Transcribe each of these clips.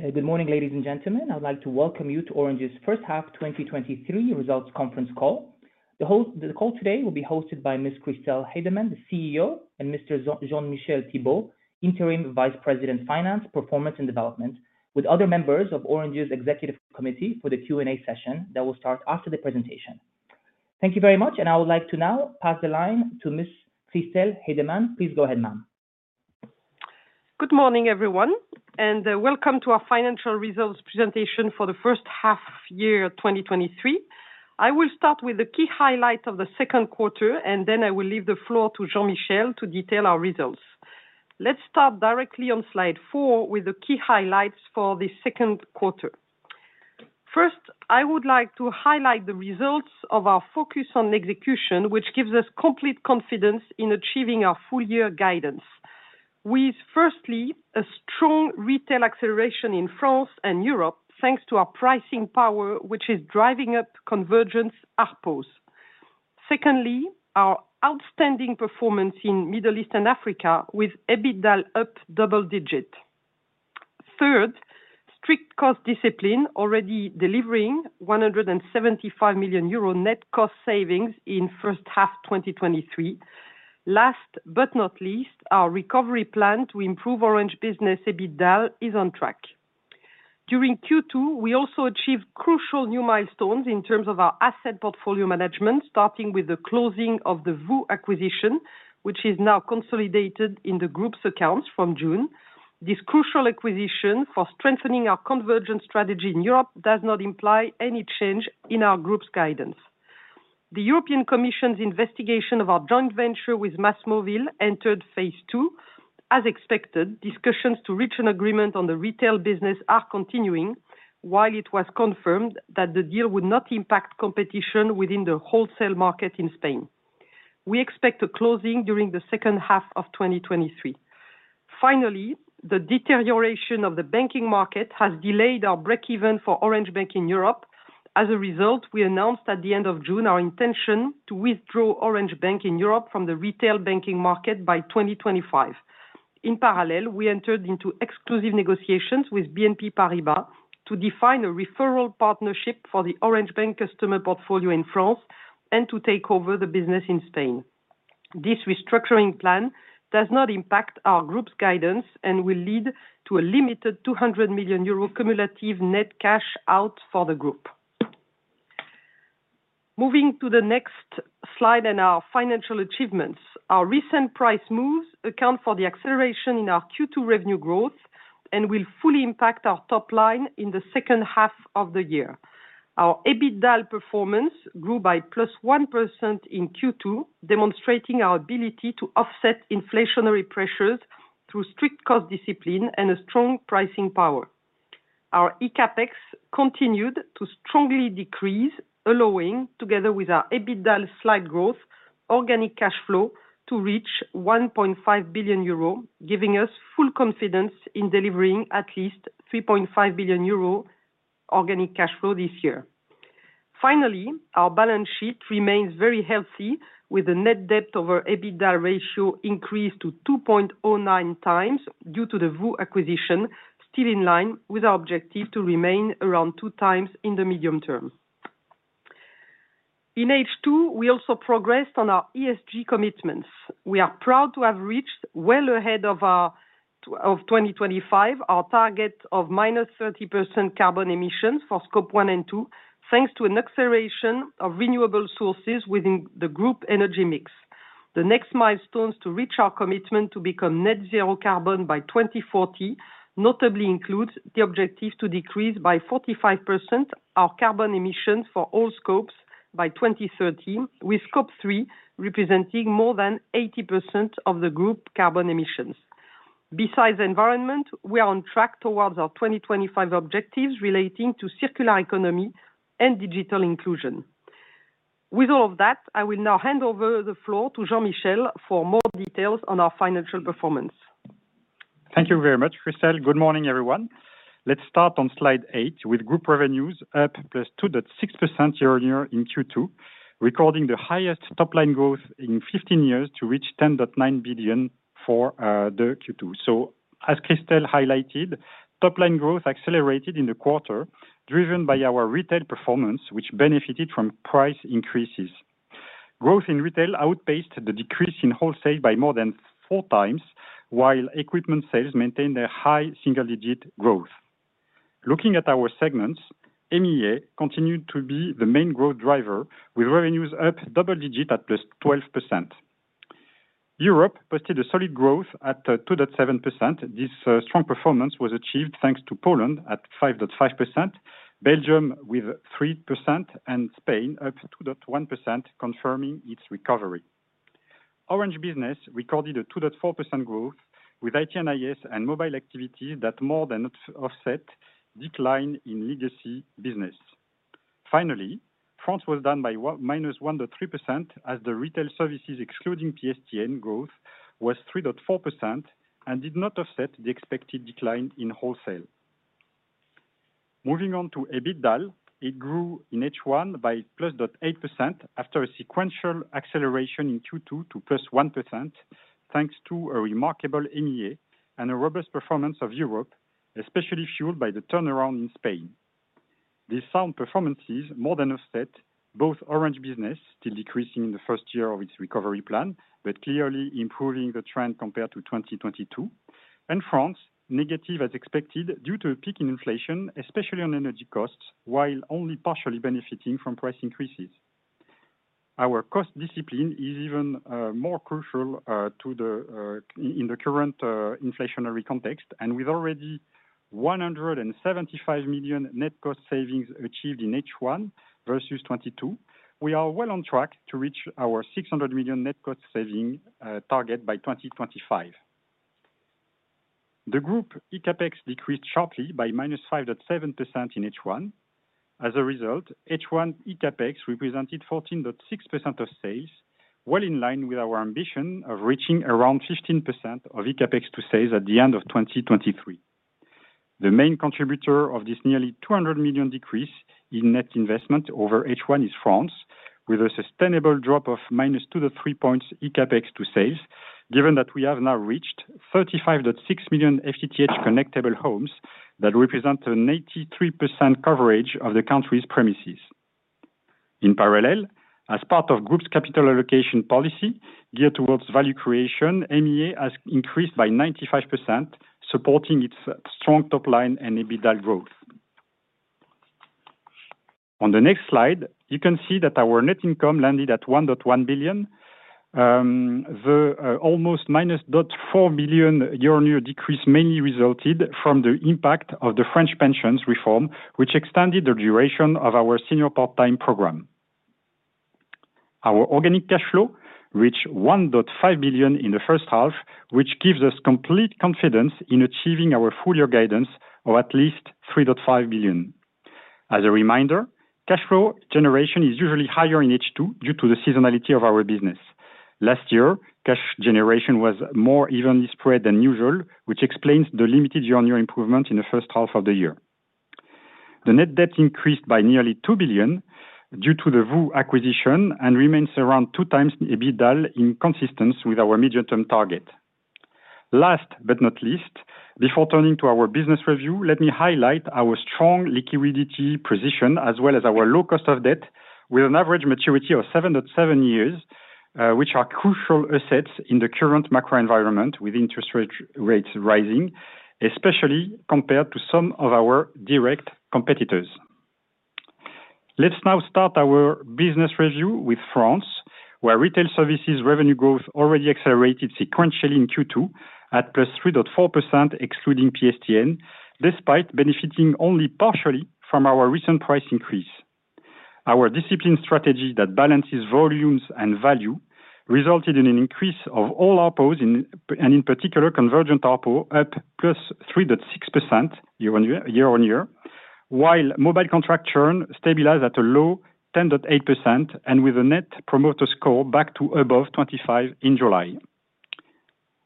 Good morning, ladies and gentlemen. I'd like to welcome you to Orange's first half 2023 results conference call. The call today will be hosted by Ms. Christel Heydemann, the CEO, and Mr. Jean-Michel Thibaud, Interim Vice President, Finance, Performance, and Development, with other members of Orange's Executive Committee for the Q&A session that will start after the presentation. Thank you very much. I would like to now pass the line to Ms. Christel Heydemann. Please go ahead, ma'am. Good morning, everyone, welcome to our financial results presentation for the first half year, 2023. I will start with the key highlights of the second quarter. I will leave the floor to Jean-Michel to detail our results. Let's start directly on slide four with the key highlights for the second quarter. First, I would like to highlight the results of our focus on execution, which gives us complete confidence in achieving our full-year guidance. With firstly, a strong retail acceleration in France and Europe, thanks to our pricing power, which is driving up convergence ARPU. Secondly, our outstanding performance in Middle East and Africa, with EBITDA up double digit. Third, strict cost discipline, already delivering 175 million euro net cost savings in first half 2023. Last but not least, our recovery plan to improve Orange Business EBITDA is on track. During Q2, we also achieved crucial new milestones in terms of our asset portfolio management, starting with the closing of the VOO acquisition, which is now consolidated in the group's accounts from June. This crucial acquisition for strengthening our convergence strategy in Europe does not imply any change in our group's guidance. The European Commission's investigation of our joint venture with MásMóvil entered phase two. As expected, discussions to reach an agreement on the retail business are continuing, while it was confirmed that the deal would not impact competition within the wholesale market in Spain. We expect a closing during the second half of 2023. The deterioration of the banking market has delayed our break-even for Orange Bank in Europe. As a result, we announced at the end of June, our intention to withdraw Orange Bank in Europe from the retail banking market by 2025. In parallel, we entered into exclusive negotiations with BNP Paribas to define a referral partnership for the Orange Bank customer portfolio in France and to take over the business in Spain. This restructuring plan does not impact our group's guidance and will lead to a limited 200 million euro cumulative net cash out for the group. Moving to the next slide in our financial achievements. Our recent price moves account for the acceleration in our Q2 revenue growth and will fully impact our top line in the second half of the year. Our EBITDA performance grew by +1% in Q2, demonstrating our ability to offset inflationary pressures through strict cost discipline and a strong pricing power. Our ECAPEX continued to strongly decrease, allowing, together with our EBITDA slide growth, organic cash flow to reach 1.5 billion euro, giving us full confidence in delivering at least 3.5 billion euro organic cash flow this year. Finally, our balance sheet remains very healthy, with a net debt over EBITDA ratio increase to 2.09 times due to the VOO acquisition, still in line with our objective to remain around 2 times in the medium term. In H2, we also progressed on our ESG commitments. We are proud to have reached well ahead of 2025, our target of -30% carbon emissions for Scope 1 and 2, thanks to an acceleration of renewable sources within the group energy mix. The next milestones to reach our commitment to become net zero carbon by 2040, notably includes the objective to decrease by 45% our carbon emissions for all scopes by 2030, with Scope 3 representing more than 80% of the group carbon emissions. Besides environment, we are on track towards our 2025 objectives relating to circular economy and digital inclusion. With all of that, I will now hand over the floor to Jean-Michel for more details on our financial performance. Thank you very much, Christel. Good morning, everyone. Let's start on slide eight, with group revenues up +2.6% year-on-year in Q2, recording the highest top-line growth in 15 years to reach 10.9 billion for the Q2. As Christel highlighted, top line growth accelerated in the quarter, driven by our retail performance, which benefited from price increases. Growth in retail outpaced the decrease in wholesale by more than 4 times, while equipment sales maintained their high single-digit growth. Looking at our segments, MEA continued to be the main growth driver, with revenues up double digit at +12%. Europe posted a solid growth at +2.7%. This strong performance was achieved thanks to Poland at +5.5%, Belgium with 3%, and Spain up +2.1%, confirming its recovery. Orange Business recorded a 2.4% growth, with IT&IS and mobile activity that more than offset decline in legacy business. France was down by minus 1.3%, as the retail services, excluding PSTN growth, was 3.4% and did not offset the expected decline in wholesale. Moving on to EBITDA, it grew in H1 by +0.8% after a sequential acceleration in Q2 to +1%, thanks to a remarkable MEA and a robust performance of Europe, especially fueled by the turnaround in Spain. These sound performances more than offset both Orange Business, still decreasing in the first year of its recovery plan, but clearly improving the trend compared to 2022, and France, negative as expected, due to a peak in inflation, especially on energy costs, while only partially benefiting from price increases. Our cost discipline is even more crucial to the current inflationary context, with already 175 million net cost savings achieved in H1 versus 2022. We are well on track to reach our 600 million net cost saving target by 2025. The group CapEx decreased sharply by -5.7% in H1. H1 CapEx represented 14.6% of sales, well in line with our ambition of reaching around 15% of CapEx to sales at the end of 2023. The main contributor of this nearly 200 million decrease in net investment over H1 is France, with a sustainable drop of -2 to -3 points CapEx to sales, given that we have now reached 35.6 million FTTH connectable homes, that represent an 83% coverage of the country's premises. In parallel, as part of group's capital allocation policy geared towards value creation, MEA has increased by 95%, supporting its strong top line and EBITDA growth. On the next slide, you can see that our net income landed at 1.1 billion. The almost -0.4 billion year-on-year decrease mainly resulted from the impact of the French pensions reform, which extended the duration of our senior part-time program. Our organic cash flow reached 1.5 billion in the first half, which gives us complete confidence in achieving our full-year guidance of at least 3.5 billion. As a reminder, cash flow generation is usually higher in H2 due to the seasonality of our business. Last year, cash generation was more evenly spread than usual, which explains the limited year-on-year improvement in the first half of the year. The net debt increased by nearly 2 billion due to the VOO acquisition, and remains around 2x EBITDA, in consistence with our medium-term target. Last but not least, before turning to our business review, let me highlight our strong liquidity position as well as our low cost of debt, with an average maturity of 7.7 years, which are crucial assets in the current macro environment, with interest rates rising, especially compared to some of our direct competitors. Let's now start our business review with France, where retail services revenue growth already accelerated sequentially in Q2 at +3.4%, excluding PSTN, despite benefiting only partially from our recent price increase. Our discipline strategy that balances volumes and value resulted in an increase of all ARPU, and in particular, convergent ARPU, at +3.6% year-on-year, while mobile contract churn stabilized at a low 10.8%, and with a net promoter score back to above 25 in July.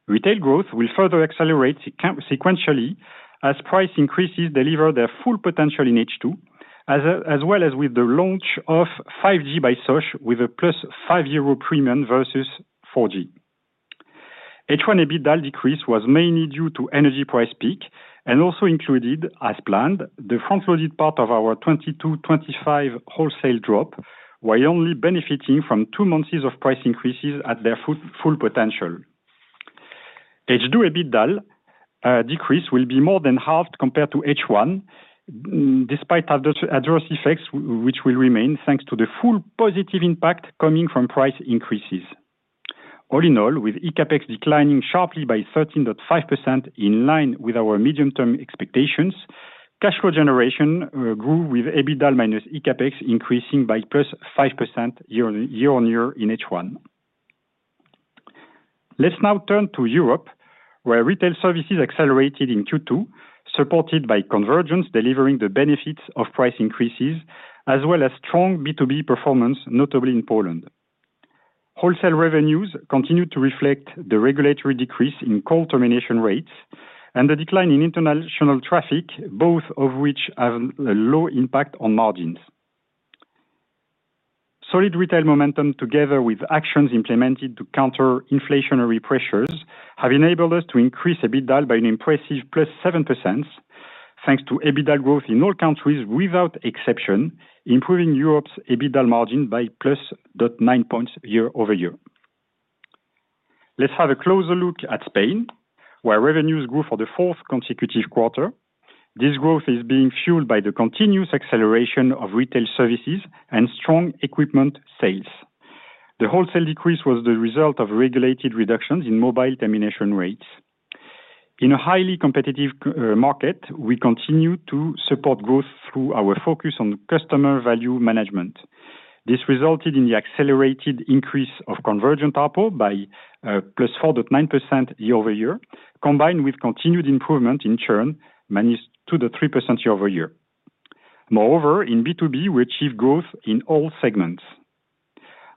Retail growth will further accelerate sequentially, as price increases deliver their full potential in H2, as well as with the launch of 5G by Sosh, with a +5 euro premium versus 4G. H1 EBITDA decrease was mainly due to energy price peak and also included, as planned, the front-loaded part of our 2022-2025 wholesale drop, while only benefiting from two months of price increases at their full potential. H2 EBITDA decrease will be more than halved compared to H1, despite adverse effects, which will remain thanks to the full positive impact coming from price increases. All in all, with ECAPEX declining sharply by 13.5%, in line with our medium-term expectations, cash flow generation grew with EBITDA minus ECAPEX, increasing by +5% year-on-year in H1. Let's now turn to Europe, where retail services accelerated in Q2, supported by convergence, delivering the benefits of price increases as well as strong B2B performance, notably in Poland. Wholesale revenues continued to reflect the regulatory decrease in call termination rates and the decline in international traffic, both of which have a low impact on margins. Solid retail momentum, together with actions implemented to counter inflationary pressures, have enabled us to increase EBITDA by an impressive +7%, thanks to EBITDA growth in all countries without exception, improving Europe's EBITDA margin by +0.9 points year-over-year. Let's have a closer look at Spain, where revenues grew for the fourth consecutive quarter. This growth is being fueled by the continuous acceleration of retail services and strong equipment sales. The wholesale decrease was the result of regulated reductions in mobile termination rates. In a highly competitive market, we continue to support growth through our focus on customer value management. This resulted in the accelerated increase of convergent ARPU by +4.9% year-over-year, combined with continued improvement in churn, -2% to -3% year-over-year. Moreover, in B2B, we achieved growth in all segments.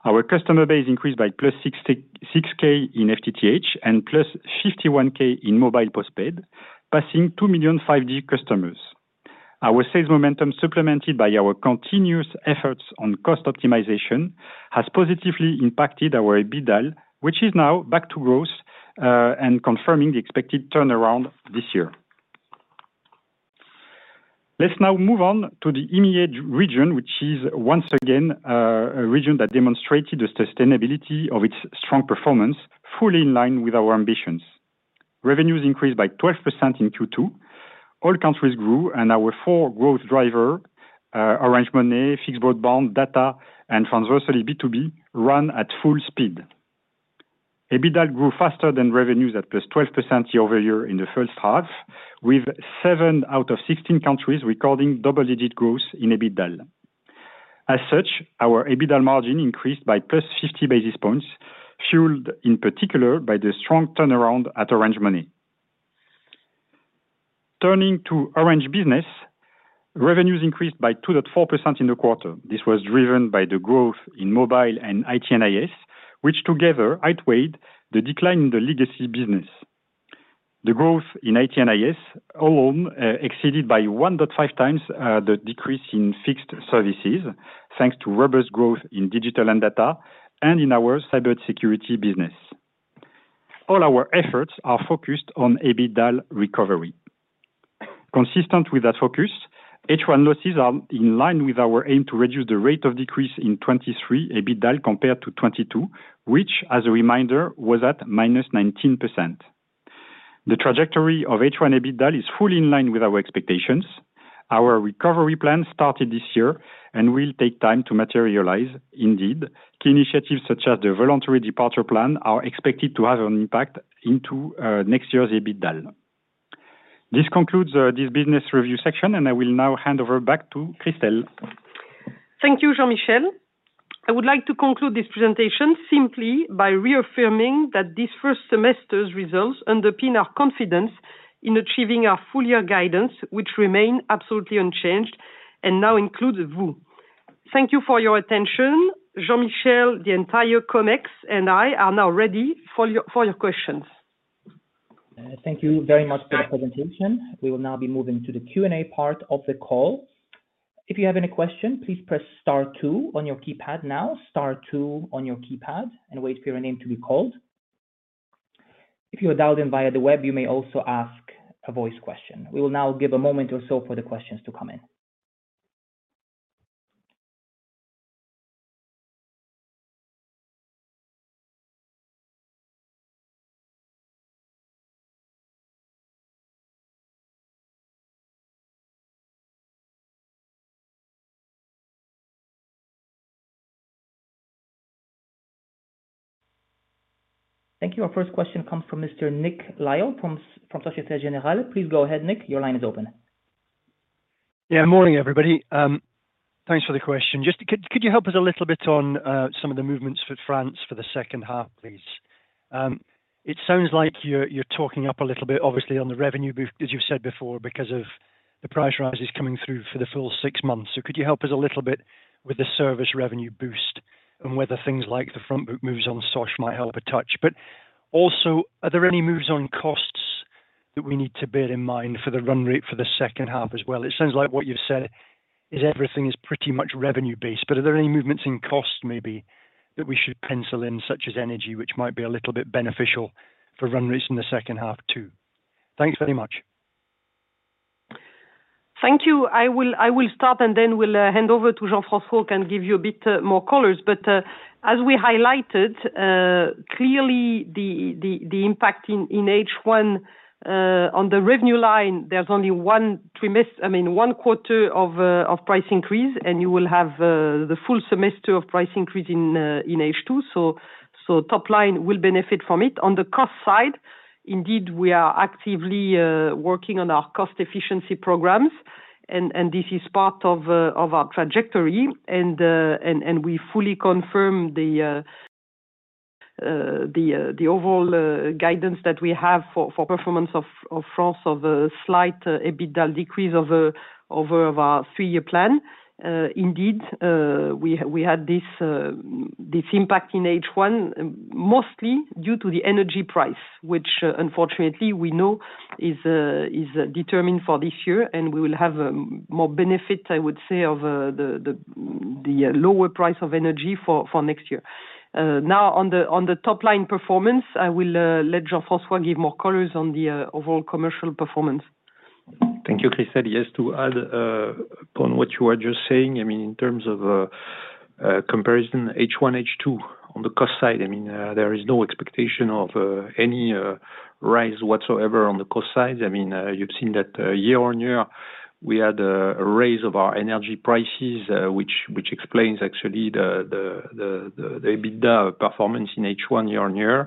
Our customer base increased by +66K in FTTH and +51K in mobile postpaid, passing 2 million 5G customers. Our sales momentum, supplemented by our continuous efforts on cost optimization, has positively impacted our EBITDA, which is now back to growth, and confirming the expected turnaround this year. Let's now move on to the EMEA region, which is once again a region that demonstrated the sustainability of its strong performance, fully in line with our ambitions. Revenues increased by 12% in Q2. All countries grew, our four growth driver, Orange Money, fixed broadband, data, and transversally B2B, run at full speed. EBITDA grew faster than revenues at +12% year-over-year in the first half, with 7 out of 16 countries recording double-digit growth in EBITDA. As such, our EBITDA margin increased by +50 basis points, fueled in particular by the strong turnaround at Orange Money. Turning to Orange Business, revenues increased by 2.4% in the quarter. This was driven by the growth in mobile and IT&IS, which together outweighed the decline in the legacy business. The growth in IT&IS alone, exceeded by 1.5 times, the decrease in fixed services, thanks to robust growth in digital and data and in our cybersecurity business. All our efforts are focused on EBITDA recovery. Consistent with that focus, H1 losses are in line with our aim to reduce the rate of decrease in 2023 EBITDA compared to 2022, which, as a reminder, was at minus 19%. The trajectory of H1 EBITDA is fully in line with our expectations. Our recovery plan started this year and will take time to materialize. Indeed, key initiatives such as the voluntary departure plan are expected to have an impact into next year's EBITDA. This concludes this business review section, and I will now hand over back to Christel. Thank you, Jean-Michel. I would like to conclude this presentation simply by reaffirming that this first semester's results underpin our confidence in achieving our full-year guidance, which remain absolutely unchanged and now include VOO. Thank you for your attention. Jean-Michel, the entire Comex, and I are now ready for your questions. Thank you very much for the presentation. We will now be moving to the Q&A part of the call. If you have any question, please press star 2 on your keypad now, star 2 on your keypad and wait for your name to be called. If you are dialed in via the web, you may also ask a voice question. We will now give a moment or so for the questions to come in. Thank you. Our first question comes from Mr. Nick Lyall from Societe Generale. Please go ahead, Nick. Your line is open. Morning, everybody. Thanks for the question. Could you help us a little bit on some of the movements for France for the second half, please? It sounds like you're talking up a little bit, obviously, on the revenue boost, as you've said before, because of the price rises coming through for the full six months. Could you help us a little bit with the service revenue boost and whether things like the front book moves on Sosh might help a touch? Also, are there any moves on costs that we need to bear in mind for the run rate for the second half as well? It sounds like what you've said is everything is pretty much revenue-based, but are there any movements in costs maybe, that we should pencil in, such as energy, which might be a little bit beneficial for run rates in the second half, too? Thanks very much. Thank you. I will start and then will hand over to Jean-François Fallacher, can give you a bit more colors. As we highlighted, clearly the impact in H1 on the revenue line, there's only one I mean, one quarter of price increase, and you will have the full semester of price increase in H2. Top line will benefit from it. On the cost side, indeed, we are actively working on our cost efficiency programs, and this is part of our trajectory. We fully confirm the overall guidance that we have for performance of France of a slight EBITDA decrease over our three-year plan. Indeed, we had this impact in H1, mostly due to the energy price, which unfortunately, we know is determined for this year, and we will have more benefits, I would say, of the lower price of energy for next year. Now, on the top-line performance, I will let Jean-François Fallacher give more colors on the overall commercial performance. Thank you, Christel. Yes, to add upon what you were just saying, I mean, in terms of comparison H1, H2 on the cost side, I mean, there is no expectation of any rise whatsoever on the cost side. I mean, you've seen that year-on-year, we had a raise of our energy prices, which explains actually the EBITDA performance in H1 year-on-year.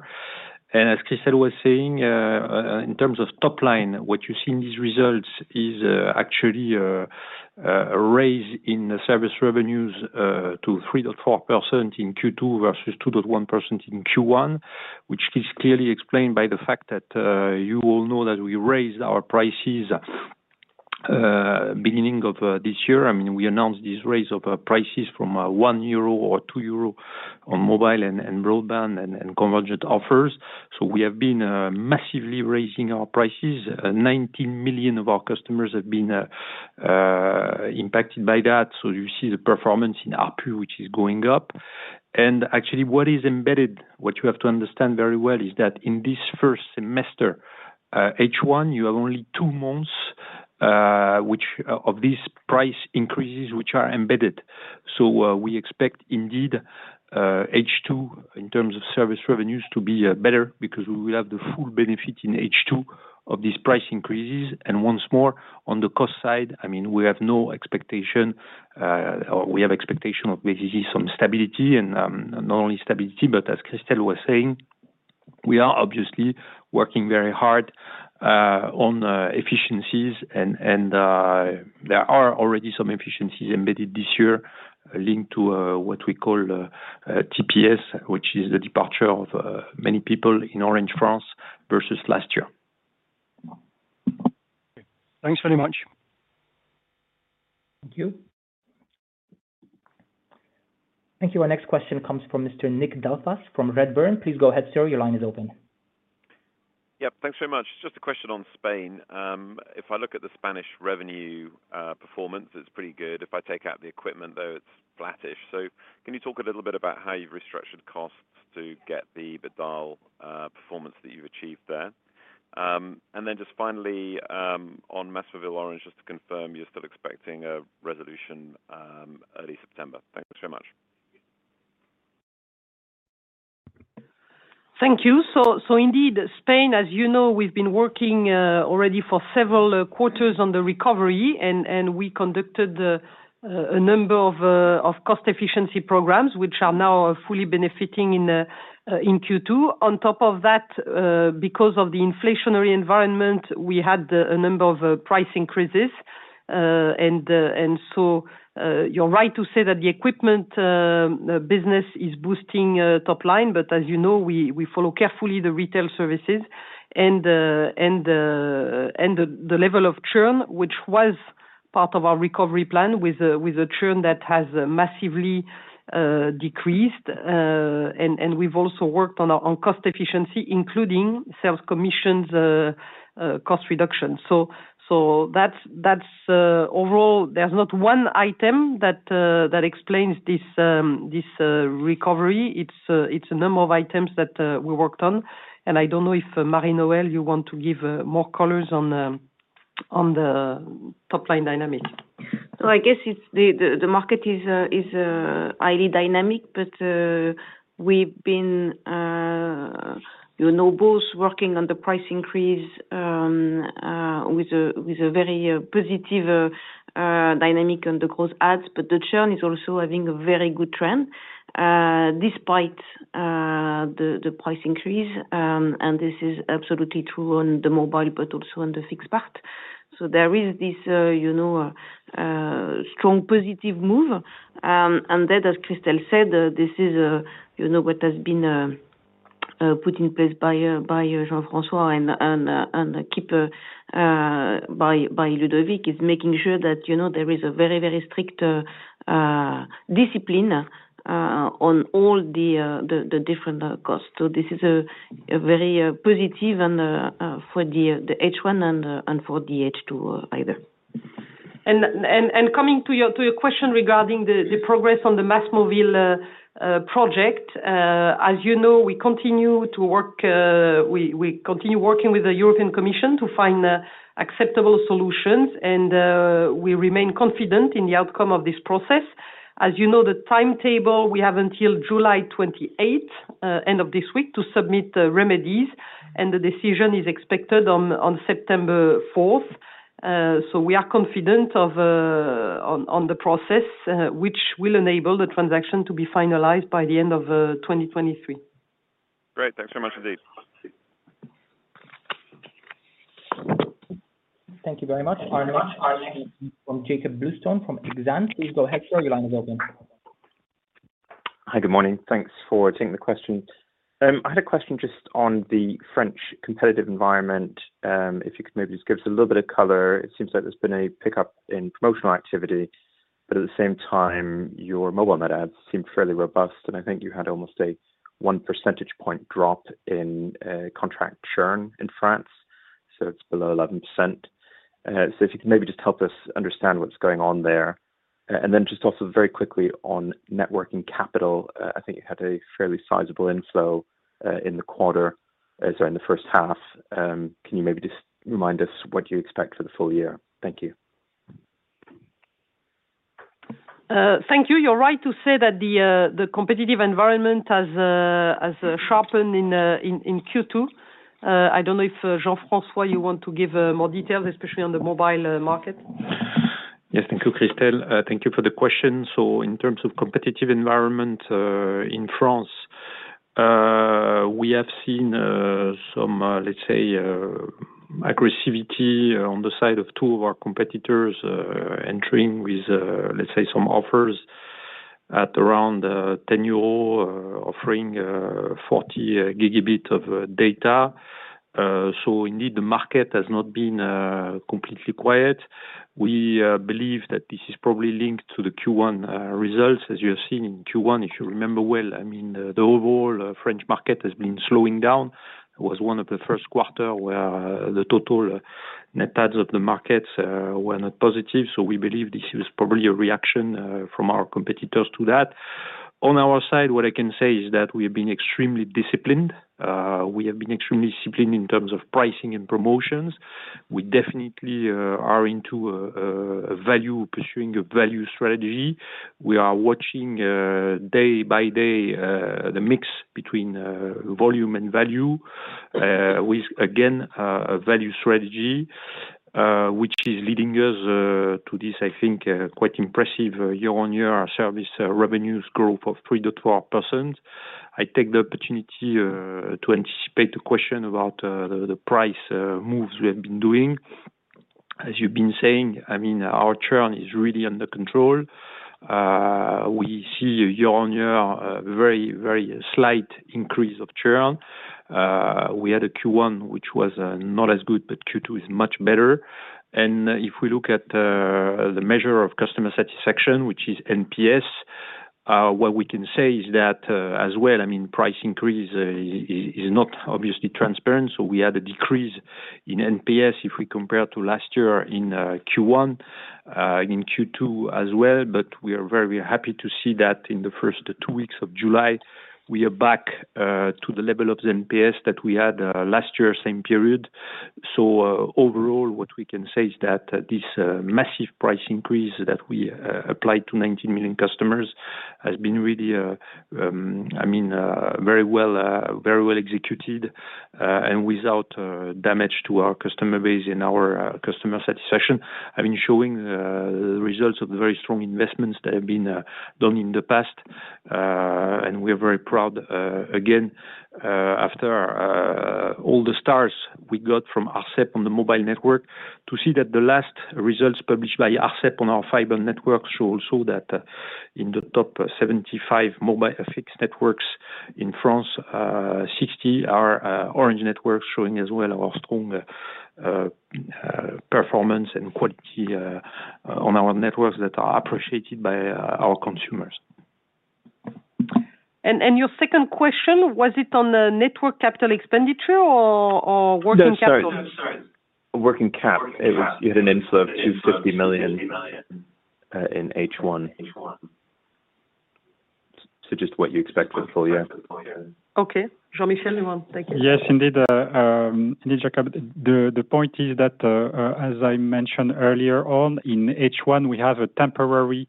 As Christel was saying, in terms of top line, what you see in these results is actually a raise in the service revenues to 3.4% in Q2 versus 2.1% in Q1, which is clearly explained by the fact that you all know that we raised our prices. ... beginning of this year, I mean, we announced this raise of prices from 1 euro or 2 euro on mobile and broadband and convergent offers. We have been massively raising our prices. 90 million of our customers have been impacted by that. You see the performance in ARPU, which is going up. Actually, what is embedded, what you have to understand very well, is that in this first semester, H1, you have only two months, which of these price increases are embedded. We expect indeed, H2, in terms of service revenues, to be better because we will have the full benefit in H2 of these price increases. Once more, on the cost side, I mean, we have no expectation, or we have expectation of basically some stability and, not only stability, but as Christel was saying, we are obviously working very hard, on efficiencies. There are already some efficiencies embedded this year linked to, what we call, TPS, which is the departure of many people in Orange France versus last year. Thanks very much. Thank you. Thank you. Our next question comes from Mr. Nick Delfas from Redburn. Please go ahead, sir. Your line is open. Yep, thanks very much. Just a question on Spain. If I look at the Spanish revenue performance, it's pretty good. If I take out the equipment, though, it's flattish. Can you talk a little bit about how you've restructured costs to get the EBITDAaL performance that you've achieved there? Just finally, on MásMóvil Orange, just to confirm, you're still expecting a resolution early September. Thank you so much. Thank you. Indeed, Spain, as you know, we've been working already for several quarters on the recovery, and we conducted a number of cost efficiency programs, which are now fully benefiting in Q2. On top of that, because of the inflationary environment, we had a number of price increases. You're right to say that the equipment business is boosting top line, but as you know, we follow carefully the retail services and the level of churn, which was part of our recovery plan with a churn that has massively decreased. We've also worked on our own cost efficiency, including sales commissions cost reduction. That's overall, there's not one item that explains this recovery. It's a number of items that we worked on. I don't know if Marie-Noëlle, you want to give more colors on the top line dynamic. I guess it's the market is highly dynamic, but we've been, you know, both working on the price increase, with a very positive dynamic on the gross adds, but the churn is also having a very good trend, despite the price increase. This is absolutely true on the mobile, but also on the fixed part. There is this, you know, strong positive move. Then, as Christel said, this is, you know, what has been put in place by Jean-François and keep by Ludovic Pech, is making sure that, you know, there is a very, very strict discipline on all the different costs. This is a very positive and for the H1 and for the H2 either. Coming to your question regarding the progress on the MásMóvil project, as you know, we continue to work, we continue working with the European Commission to find acceptable solutions, and we remain confident in the outcome of this process. As you know, the timetable, we have until July 28, end of this week, to submit the remedies, and the decision is expected on September 4. So we are confident of on the process, which will enable the transaction to be finalized by the end of 2023. Great. Thanks so much, indeed. Thank you very much. Our next from Jakob Bluestone from Exane. Please go ahead, sir. Your line is open. Hi, good morning. Thanks for taking the question. I had a question just on the French competitive environment. If you could maybe just give us a little bit of color. It seems like there's been a pickup in promotional activity, but at the same time, your mobile net adds seem fairly robust, and I think you had almost a 1 percentage point drop in contract churn in France, so it's below 11%. If you could maybe just help us understand what's going on there. Just also very quickly on networking capital, I think you had a fairly sizable inflow in the quarter, so in the first half. Can you maybe just remind us what you expect for the full-year? Thank you. Thank you. You're right to say that the competitive environment has sharpened in Q2. I don't know if Jean-François, you want to give more details, especially on the mobile market. Yes, thank you, Christel. Thank you for the question. In terms of competitive environment, in France, we have seen some, let's say, aggressivity on the side of two of our competitors, entering with, let's say, some offers... at around 10 euro, offering 40 gigabit of data. Indeed, the market has not been completely quiet. We believe that this is probably linked to the Q1 results. As you have seen in Q1, if you remember well, I mean, the overall French market has been slowing down. It was one of the first quarter where the total net adds of the markets were not positive. We believe this is probably a reaction from our competitors to that. On our side, what I can say is that we have been extremely disciplined. We have been extremely disciplined in terms of pricing and promotions. We definitely are pursuing a value strategy. We are watching day by day the mix between volume and value, with again a value strategy, which is leading us to this, I think, quite impressive year-on-year service revenues growth of 3%-4%. I take the opportunity to anticipate the question about the price moves we have been doing. As you've been saying, I mean, our churn is really under control. We see year-on-year a very slight increase of churn. We had a Q1, which was not as good, but Q2 is much better. If we look at the measure of customer satisfaction, which is NPS, what we can say is that, as well, I mean, price increase is not obviously transparent, so we had a decrease in NPS if we compare to last year in Q1, in Q2 as well. We are very happy to see that in the first 2 weeks of July, we are back to the level of the NPS that we had last year, same period. Overall, what we can say is that this massive price increase that we applied to 19 million customers has been really, I mean, very well, very well executed, and without damage to our customer base and our customer satisfaction. I mean, showing the results of the very strong investments that have been done in the past. We are very proud again after all the stars we got from ARCEP on the mobile network, to see that the last results published by ARCEP on our fiber network show that in the top 75 mobile fixed networks in France, 60 are Orange network, showing as well our strong performance and quality on our networks that are appreciated by our consumers. Your second question, was it on the network capital expenditure or working capital? No, sorry. Working cap. You had an insert of 2 million in H1. Just what you expect for the full-year. Okay. Jean-Michel, you want? Thank you. Yes, indeed, Jakob, the point is that as I mentioned earlier on, in H1, we have a temporary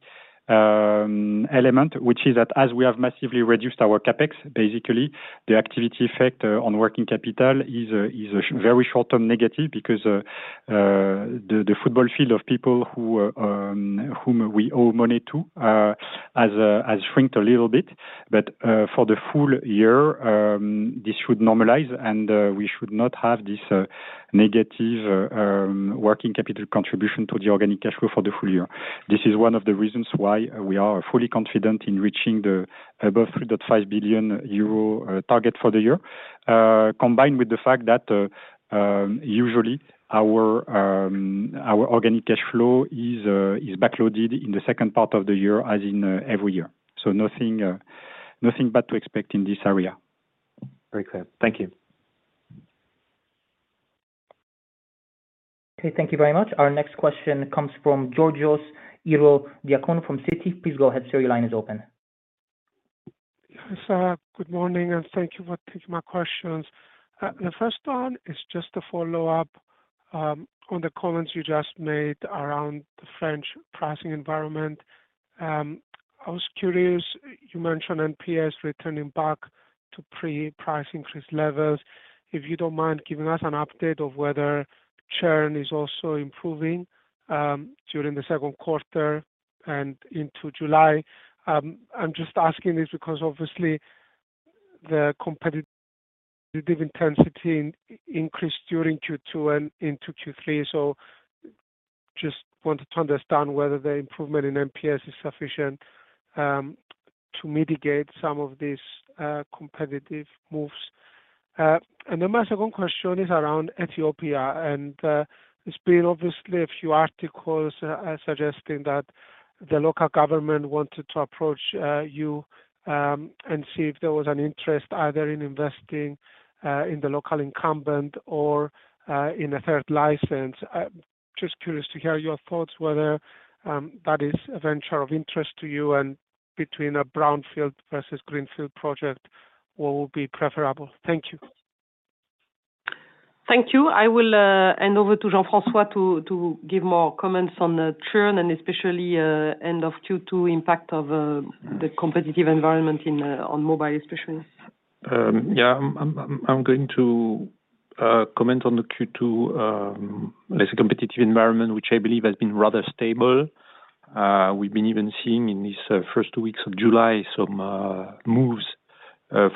element, which is that as we have massively reduced our CapEx, basically, the activity effect on working capital is a very short-term negative because the football field of people who whom we owe money to has shrunk a little bit. For the full-year, this should normalize, and we should not have this negative working capital contribution to the organic cash flow for the full-year. This is one of the reasons why we are fully confident in reaching the above 3.5 billion euro target for the year. Combined with the fact that, usually our organic cash flow is backloaded in the second part of the year as in every year. Nothing, nothing bad to expect in this area. Very clear. Thank you. Okay, thank you very much. Our next question comes from Georgios Ierodiaconou from Citi. Please go ahead, sir. Your line is open. Yes, good morning, thank you for taking my questions. The first one is just a follow-up on the comments you just made around the French pricing environment. I was curious, you mentioned NPS returning back to pre-price increase levels. If you don't mind giving us an update of whether churn is also improving during the second quarter and into July. I'm just asking this because obviously the competitive intensity increased during Q2 and into Q3. Just wanted to understand whether the improvement in NPS is sufficient to mitigate some of these competitive moves. My second question is around Ethiopia. There's been obviously a few articles suggesting that the local government wanted to approach you and see if there was an interest either in investing in the local incumbent or in a third license. Curious to hear your thoughts, whether that is a venture of interest to you and between a brownfield versus greenfield project, what would be preferable? Thank you. Thank you. I will hand over to Jean-François to give more comments on the churn and especially end of Q2 impact of the competitive environment in on mobile, especially. Yeah. I'm going to comment on the Q2 as a competitive environment, which I believe has been rather stable. We've been even seeing in these first 2 weeks of July, some moves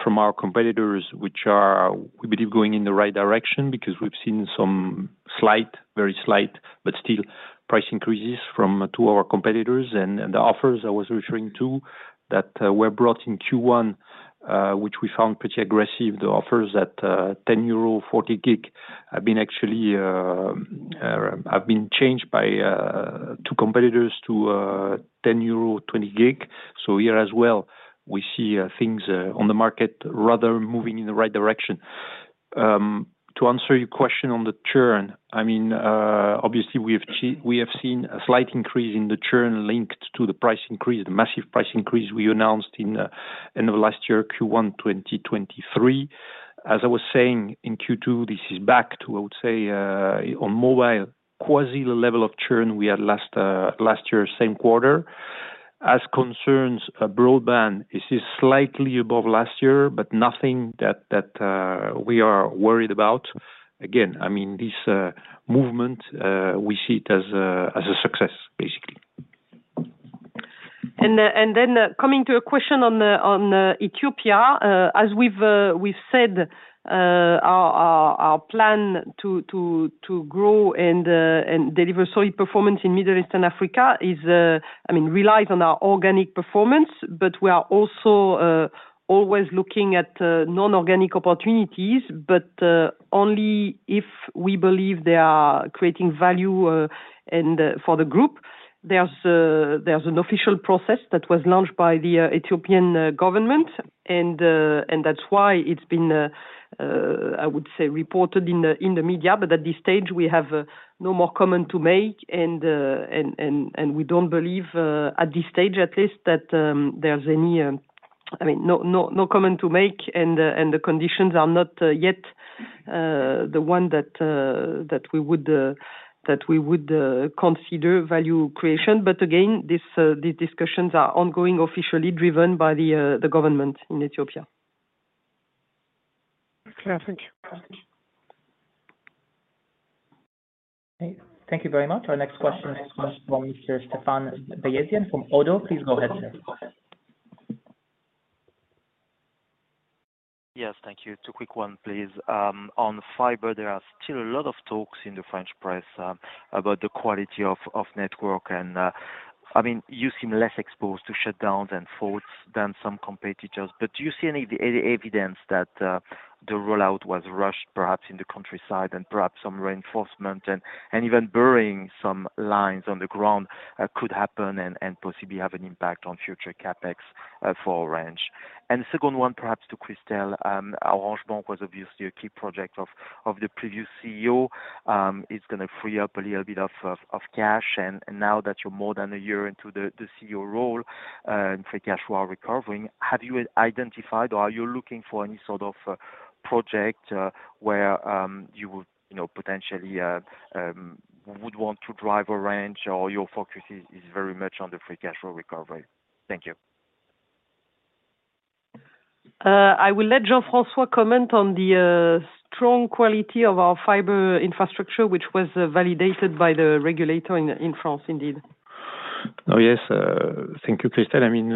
from our competitors, which are, we believe, going in the right direction because we've seen some slight, very slight, but still price increases from 2 of our competitors. The offers I was referring to, that were brought in Q1, which we found pretty aggressive. The offers that 10 40 gig have been actually have been changed by 2 competitors to 10 euro, 20 gig. Here as well, we see things on the market rather moving in the right direction. To answer your question on the churn, I mean, obviously, we have seen a slight increase in the churn linked to the price increase, the massive price increase we announced in end of last year, Q1, 2023. As I was saying, in Q2, this is back to, I would say, on mobile, quasi the level of churn we had last last year, same quarter. As concerns broadband, this is slightly above last year, but nothing that we are worried about. Again, I mean, this movement, we see it as a, as a success, basically. Coming to a question on the Ethiopia. As we've said, our plan to grow and deliver solid performance in Middle East and Africa is, I mean, relies on our organic performance, but we are also always looking at non-organic opportunities, but only if we believe they are creating value and for the group. There's an official process that was launched by the Ethiopian government, and that's why it's been I would say reported in the media, but at this stage, we have no more comment to make, and we don't believe at this stage, at least, that there's any I mean, no comment to make, and the conditions are not yet the one that we would consider value creation. Again, these discussions are ongoing, officially driven by the government in Ethiopia. Okay, thank you. Okay. Thank you very much. Our next question is from Mr. Stéphane Beyazian from ODDO BHF. Please go ahead, sir. Yes, thank you. Two quick one, please. On fiber, there are still a lot of talks in the French press about the quality of network, and I mean, you seem less exposed to shutdowns and faults than some competitors, but do you see any evidence that the rollout was rushed, perhaps in the countryside, and perhaps some reinforcement and even burying some lines on the ground could happen and possibly have an impact on future CapEx for Orange? The second one, perhaps to Christel. Orange Bank was obviously a key project of the previous CEO. up a little bit of cash. Now that you are more than a year into the CEO role, and free cash flow recovering, have you identified, or are you looking for any sort of project where you would, you know, potentially, would want to drive Orange, or your focus is very much on the free cash flow recovery? Thank you. I will let Jean-François comment on the strong quality of our fiber infrastructure, which was validated by the regulator in France, indeed. Oh, yes, thank you, Christel. I mean,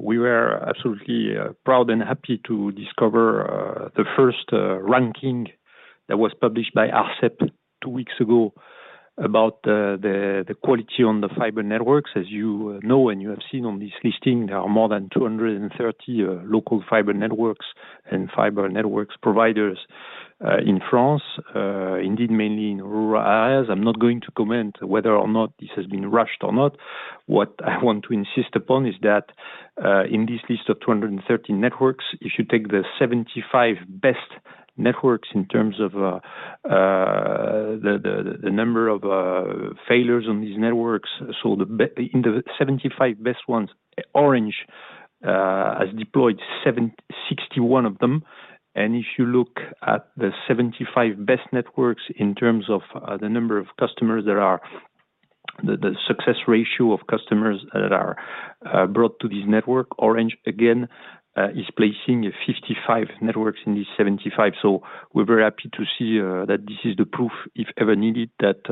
we were absolutely proud and happy to discover the first ranking that was published by ARCEP two weeks ago about the quality on the fiber networks. As you know, and you have seen on this listing, there are more than 230 local fiber networks and fiber networks providers in France, indeed, mainly in rural areas. I'm not going to comment whether or not this has been rushed or not. What I want to insist upon is that in this list of 230 networks, if you take the 75 best networks in terms of the number of failures on these networks. In the 75 best ones, Orange has deployed 61 of them. If you look at the 75 best networks in terms of the number of customers, The success ratio of customers that are brought to this network, Orange, again, is placing 55 networks in these 75. We're very happy to see that this is the proof, if ever needed, that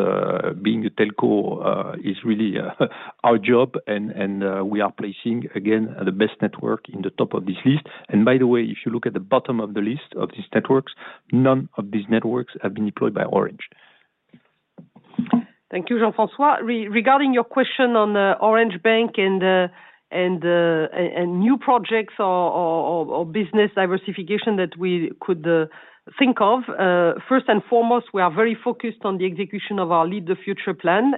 being a telco is really our job, and we are placing, again, the best network in the top of this list. By the way, if you look at the bottom of the list of these networks, none of these networks have been deployed by Orange. Thank you, Jean-François. Regarding your question on Orange Bank and new projects or business diversification that we could think of, first and foremost, we are very focused on the execution of our Lead the Future plan.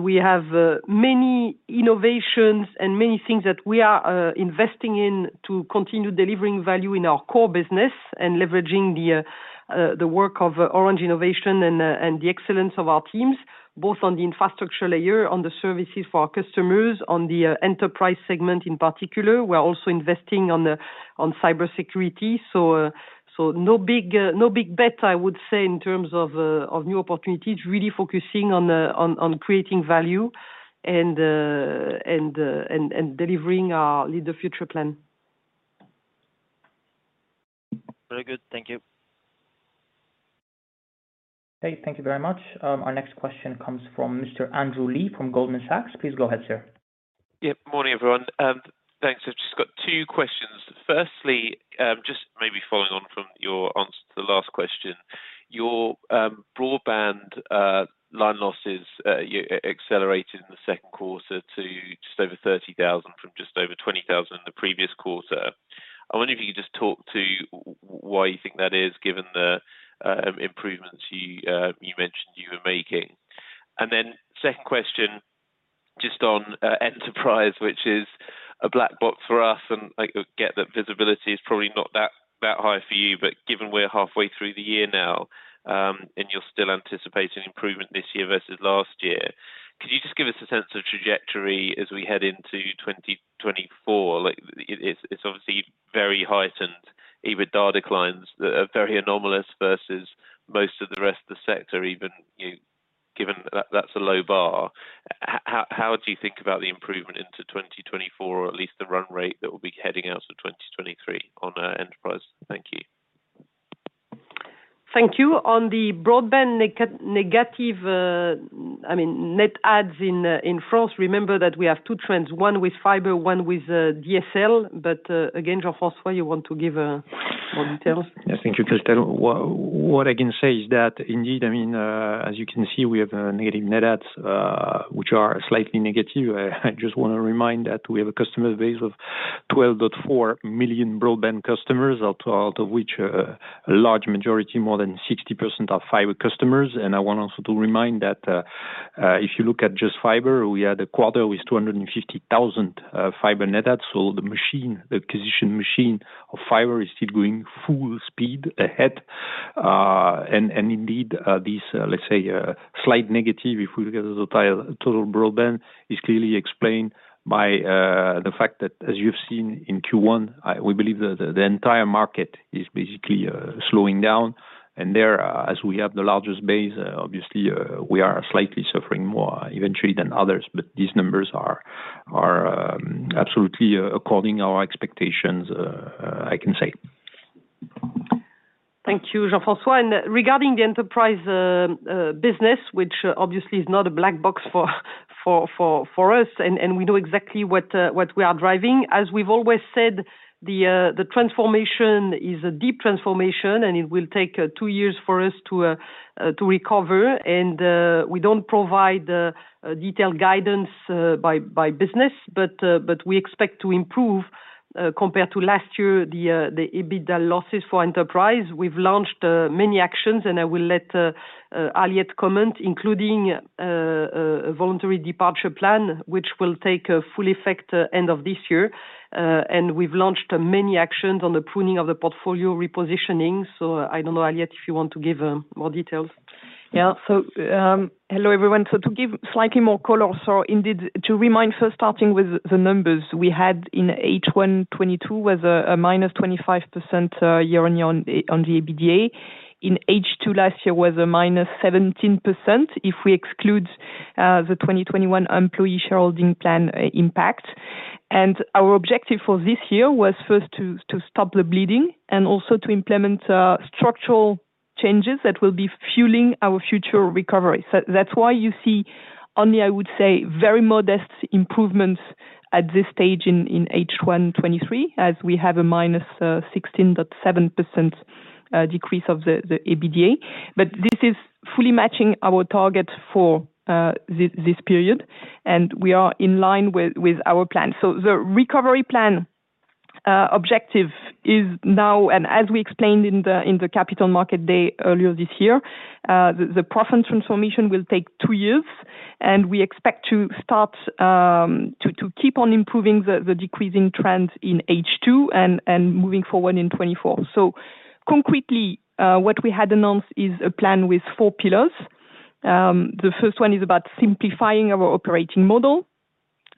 We have many innovations and many things that we are investing in to continue delivering value in our core business and leveraging the work of Orange Innovation and the excellence of our teams, both on the infrastructure layer, on the services for our customers, on the enterprise segment in particular. We're also investing on the on cybersecurity. No big, no big bet, I would say, in terms of new opportunities, really focusing on creating value and delivering our Lead the Future plan. Very good. Thank you. ... Okay, thank you very much. Our next question comes from Mr. Andrew Lee from Goldman Sachs. Please go ahead, sir. Good morning, everyone, and thanks. I've just got two questions. Firstly, just maybe following on from your answer to the last question, your broadband line losses accelerated in the second quarter to just over 30,000 from just over 20,000 the previous quarter. I wonder if you could just talk to why you think that is, given the improvements you mentioned you were making? Second question, just on Enterprise, which is a black box for us, and I get that visibility is probably not that high for you, but given we're halfway through the year now, and you're still anticipating improvement this year versus last year, could you just give us a sense of trajectory as we head into 2024? Like, it's obviously very heightened. EBITDA declines are very anomalous versus most of the rest of the sector, even, given that that's a low bar. How do you think about the improvement into 2024, or at least the run rate that will be heading out for 2023 on Enterprise? Thank you. Thank you. On the broadband negative, I mean, net adds in France, remember that we have two trends: one with fiber, one with DSL. Again, Jean-François, you want to give more details? Yeah. Thank you, Christel. What I can say is that indeed, I mean, as you can see, we have a negative net adds, which are slightly negative. I just want to remind that we have a customer base of 12.4 million broadband customers, out of which a large majority, more than 60%, are fiber customers. I want also to remind that, if you look at just fiber, we had a quarter with 250,000 fiber net adds. The machine, the acquisition machine of fiber is still going full speed ahead. Indeed, this, let's say, slight negative, if we look at the total broadband, is clearly explained by the fact that, as you've seen in Q1, we believe that the entire market is basically slowing down. There, as we have the largest base, obviously, we are slightly suffering more eventually than others, but these numbers are absolutely according our expectations, I can say. Thank you, Jean-François. Regarding the Enterprise business, which obviously is not a black box for us, and we know exactly what we are driving. As we've always said, the transformation is a deep transformation, and it will take two years for us to recover, and we don't provide detailed guidance by business, but we expect to improve compared to last year, the EBITDA losses for Enterprise. We've launched many actions, and I will let Aliette comment, including a voluntary departure plan, which will take full effect end of this year. And we've launched many actions on the pruning of the portfolio repositioning. So I don't know, Aliette, if you want to give more details. Hello, everyone. To give slightly more color, indeed to remind first, starting with the numbers we had in H1 2022 was a minus 25% year-over-year on the EBITDA. In H2 2022 was a minus 17% if we exclude the 2021 employee shareholding plan impact. Our objective for this year was first to stop the bleeding and also to implement structural changes that will be fueling our future recovery. That's why you see only, I would say, very modest improvements at this stage in H1 2023, as we have a minus 16.7% decrease of the EBITDA. This is fully matching our target for this period, and we are in line with our plan. The recovery plan objective is now, and as we explained in the Capital Markets Day earlier this year, the profit transformation will take two years, and we expect to keep on improving the decreasing trends in H2 and moving forward in 2024. Concretely, what we had announced is a plan with four pillars. The first one is about simplifying our operating model.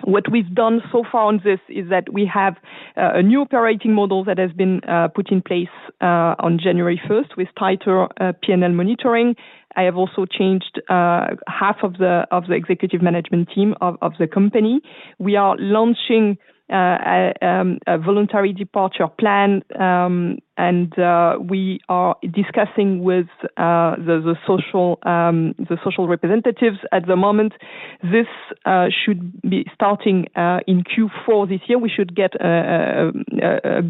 What we've done so far on this is that we have a new operating model that has been put in place on January first, with tighter P&L monitoring. I have also changed half of the executive management team of the company. We are launching a voluntary departure plan, and we are discussing with the social representatives at the moment. This should be starting in Q4 this year. We should get a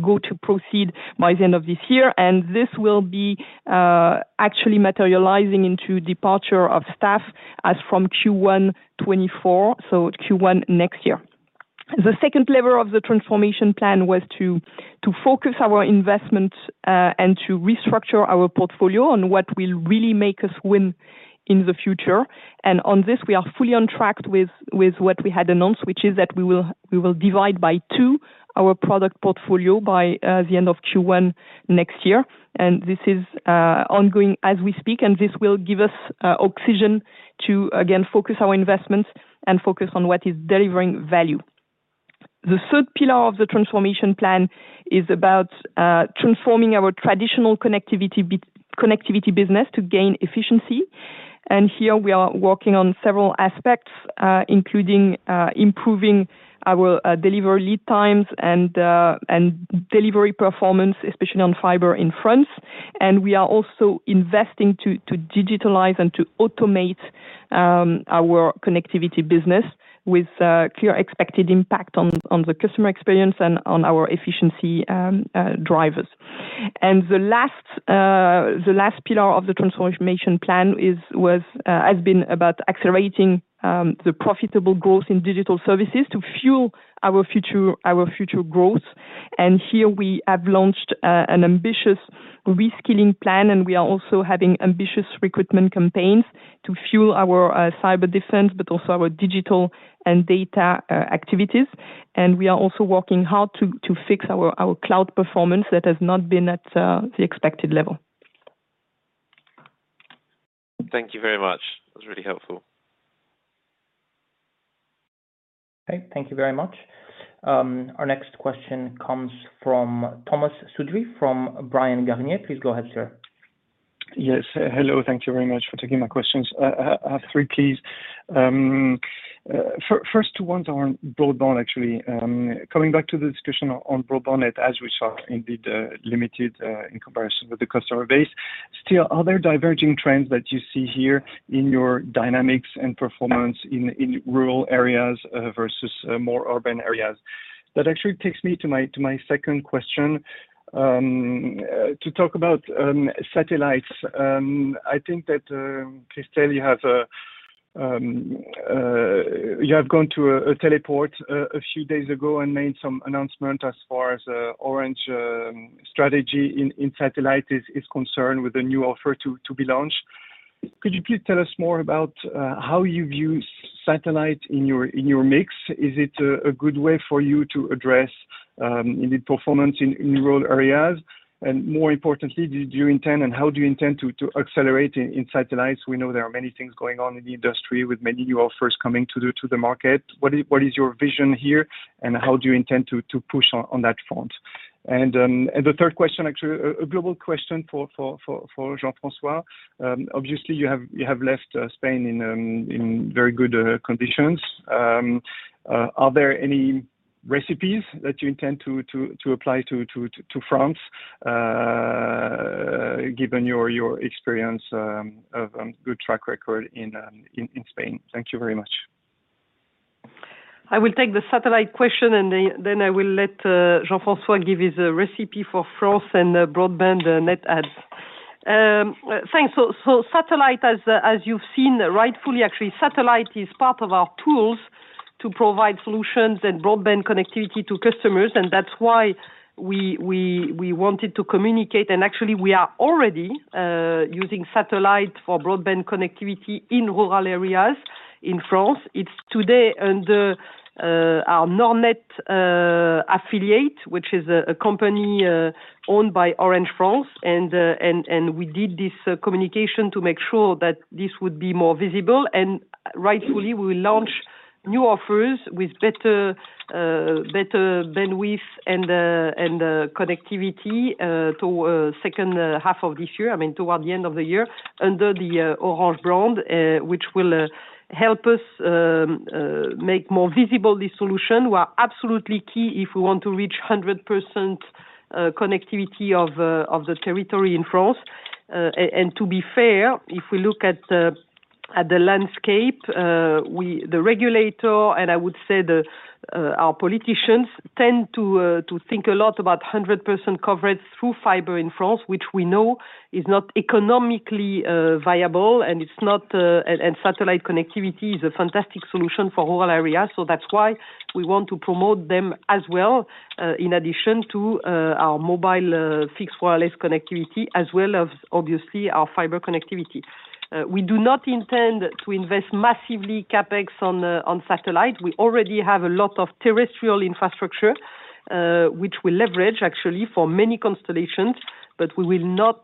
go to proceed by the end of this year, and this will be actually materializing into departure of staff as from Q1 2024, so Q1 next year. The second lever of the transformation plan was to focus our investment and to restructure our portfolio on what will really make us win in the future. On this, we are fully on track with what we had announced, which is that we will divide by two our product portfolio by the end of Q1 next year. This is ongoing as we speak, and this will give us oxygen to again focus our investments and focus on what is delivering value. The third pillar of the transformation plan is about transforming our traditional connectivity business to gain efficiency. Here we are working on several aspects, including improving our delivery lead times and delivery performance, especially on fiber in France. We are also investing to digitalize and to automate our connectivity business with clear expected impact on the customer experience and on our efficiency drivers. The last pillar of the transformation plan has been about accelerating the profitable growth in digital services to fuel our future growth. Here we have launched an ambitious reskilling plan, and we are also having ambitious recruitment campaigns to fuel our cyber defense, but also our digital and data activities. We are also working hard to fix our cloud performance that has not been at the expected level. Thank you very much. That was really helpful. Okay. Thank you very much. Our next question comes from Thomas Coudry from Bryan, Garnier & Co. Please go ahead, sir. Yes. Hello, thank you very much for taking my questions. I have 3, please. First 2 ones are on broadband, actually. Coming back to the discussion on broadband, as we saw, indeed, limited in comparison with the customer base, still, are there diverging trends that you see here in your dynamics and performance in rural areas versus more urban areas? That actually takes me to my second question. To talk about satellites, I think that Christel, you have gone to a teleport a few days ago and made some announcement as far as Orange strategy in satellite is concerned with a new offer to be launched. Could you please tell us more about how you view satellite in your mix? Is it a good way for you to address indeed performance in rural areas? More importantly, do you intend, and how do you intend to accelerate in satellites? We know there are many things going on in the industry with many new offers coming to the market. What is your vision here, and how do you intend to push on that front? The third question, actually a global question for Jean-François. Obviously, you have left Spain in very good conditions. Are there any recipes that you intend to apply to France, given your experience of good track record in Spain? Thank you very much. I will take the satellite question, and then I will let Jean-François give his recipe for France and the broadband, net adds. Thanks. Satellite, as you've seen, rightfully actually, satellite is part of our tools to provide solutions and broadband connectivity to customers, and that's why we wanted to communicate, and actually we are already using satellite for broadband connectivity in rural areas in France. It's today under our Nordnet affiliate, which is a company owned by Orange France. We did this communication to make sure that this would be more visible. Rightfully, we will launch new offers with better bandwidth and connectivity to second half of this year, I mean, toward the end of the year, under the Orange brand, which will help us make more visible this solution, who are absolutely key if we want to reach 100% connectivity of the territory in France. To be fair, if we look at the landscape, we, the regulator, and I would say our politicians tend to think a lot about 100% coverage through fiber in France, which we know is not economically viable, and it's not. Satellite connectivity is a fantastic solution for rural areas. That's why we want to promote them as well, in addition to our mobile, fixed wireless connectivity, as well as, obviously, our fiber connectivity. We do not intend to invest massively CapEx on satellite. We already have a lot of terrestrial infrastructure, which we leverage actually for many constellations, but we will not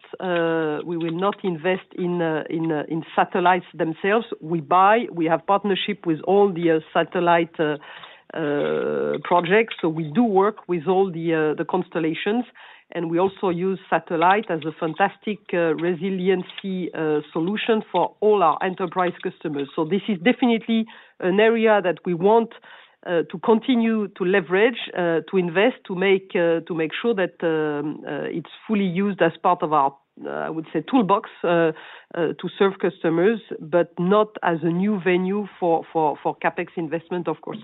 invest in satellites themselves. We buy, we have partnership with all the satellite projects, we do work with all the constellations, and we also use satellite as a fantastic resiliency solution for all our enterprise customers. This is definitely an area that we want to continue to leverage, to invest, to make sure that it's fully used as part of our, I would say, toolbox, to serve customers, but not as a new venue for CapEx investment, of course.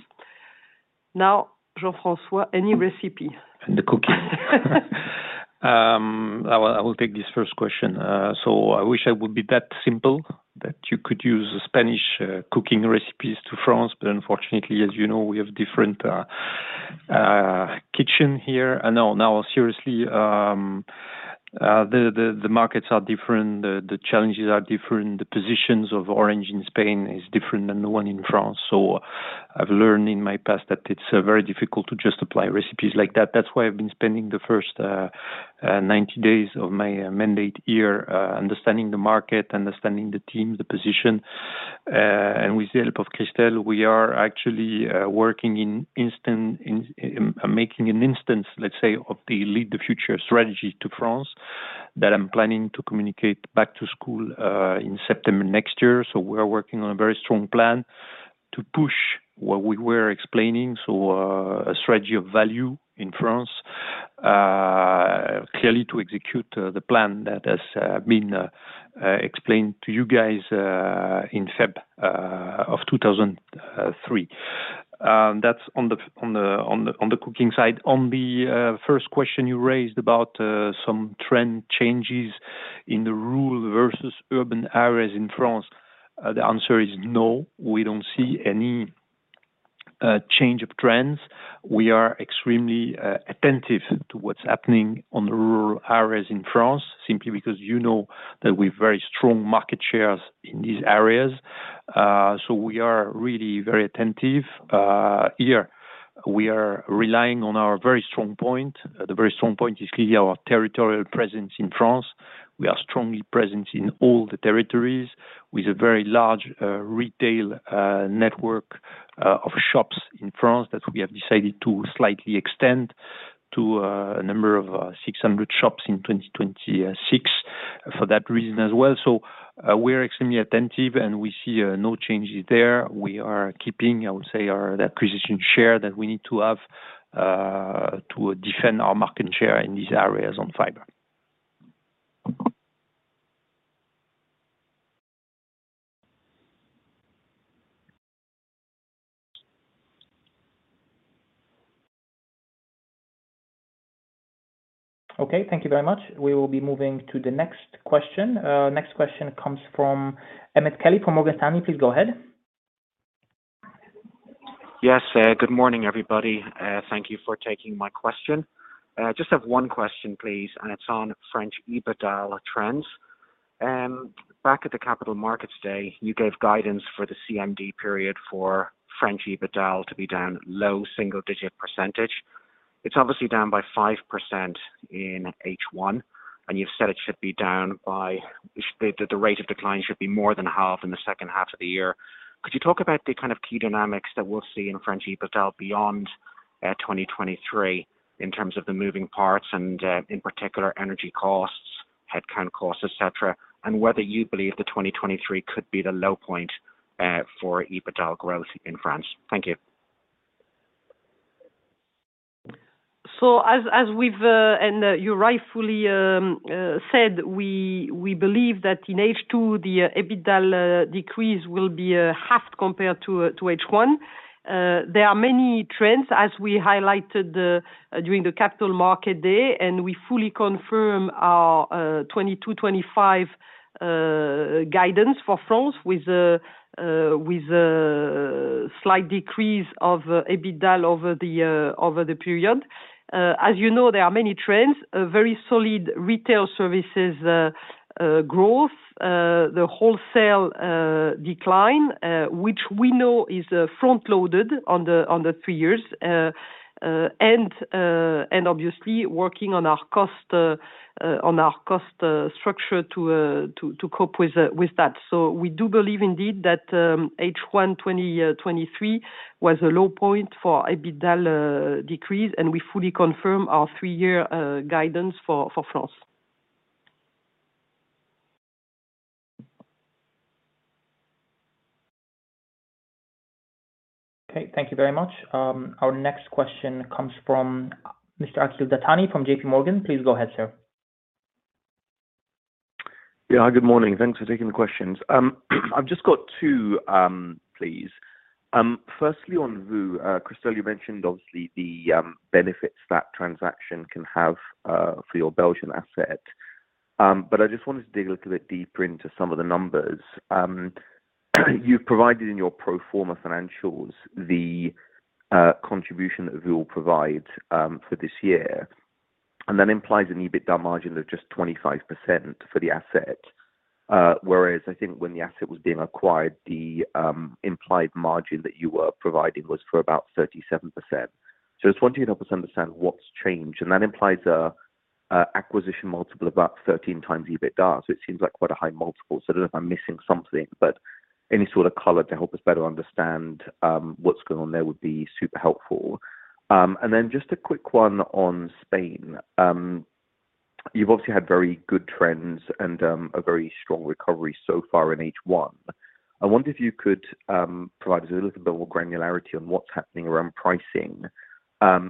Jean-François, any recipe? The cooking. I will take this first question. I wish it would be that simple, that you could use Spanish cooking recipes to France, but unfortunately, as you know, we have different kitchen here. No, now, seriously, the markets are different, the challenges are different, the positions of Orange in Spain is different than the one in France. I've learned in my past that it's very difficult to just apply recipes like that. That's why I've been spending the first 90 days of my mandate here, understanding the market, understanding the team, the position.... With the help of Christel, we are actually working in making an instance, let's say, of the Lead the Future strategy to France, that I'm planning to communicate back to school in September next year. We are working on a very strong plan to push what we were explaining. A strategy of value in France clearly to execute the plan that has been explained to you guys in February of 2003. That's on the cooking side. On the first question you raised about some trend changes in the rural versus urban areas in France, the answer is no. We don't see any change of trends. We are extremely attentive to what's happening on the rural areas in France, simply because you know that we've very strong market shares in these areas. We are really very attentive. Here, we are relying on our very strong point. The very strong point is clearly our territorial presence in France. We are strongly present in all the territories with a very large retail network of shops in France that we have decided to slightly extend to a number of 600 shops in 2026 for that reason as well. We're extremely attentive, and we see no changes there. We are keeping, I would say, that precision share that we need to have to defend our market share in these areas on fiber. Okay, thank you very much. We will be moving to the next question. Next question comes from Emmet Kelly, from Morgan Stanley. Please go ahead. Yes, good morning, everybody. Thank you for taking my question. Just have one question, please, and it's on French EBITDA trends. Back at the Capital Markets Day, you gave guidance for the CMD period for French EBITDA to be down low single digit %. It's obviously down by 5% in H1, and you've said the rate of decline should be more than half in the second half of the year. Could you talk about the kind of key dynamics that we'll see in French EBITDA beyond 2023, in terms of the moving parts and, in particular, energy costs, headcount costs, et cetera, and whether you believe that 2023 could be the low point for EBITDA growth in France? Thank you. As we've and you rightfully said, we believe that in H2, the EBITDA decrease will be half compared to H1. There are many trends, as we highlighted during the Capital Markets Day, and we fully confirm our 2022-2025 guidance for France with a slight decrease of EBITDA over the period. As you know, there are many trends, a very solid retail services growth, the wholesale decline, which we know is front-loaded on the three years, and obviously working on our cost structure to cope with that. We do believe indeed that, H1 2023 was a low point for EBITDA decrease, and we fully confirm our 3-year guidance for France. Okay, thank you very much. Our next question comes from Mr. Akhil Dattani from J.P. Morgan. Please go ahead, sir. Yeah, good morning. Thanks for taking the questions. I've just got two, please. Firstly, on VOO, Christel, you mentioned obviously the benefits that transaction can have for your Belgian asset. I just wanted to dig a little bit deeper into some of the numbers. You've provided in your pro forma financials, the contribution that VOO provide for this year, and that implies an EBITDA margin of just 25% for the asset. Whereas I think when the asset was being acquired, the implied margin that you were providing was for about 37%. I just wanted to help us understand what's changed, and that implies a acquisition multiple of about 13x EBITDA, so it seems like quite a high multiple. I don't know if I'm missing something, but any sort of color to help us better understand what's going on there would be super helpful. Then just a quick one on Spain. You've obviously had very good trends and a very strong recovery so far in H1. I wonder if you could provide us a little bit more granularity on what's happening around pricing.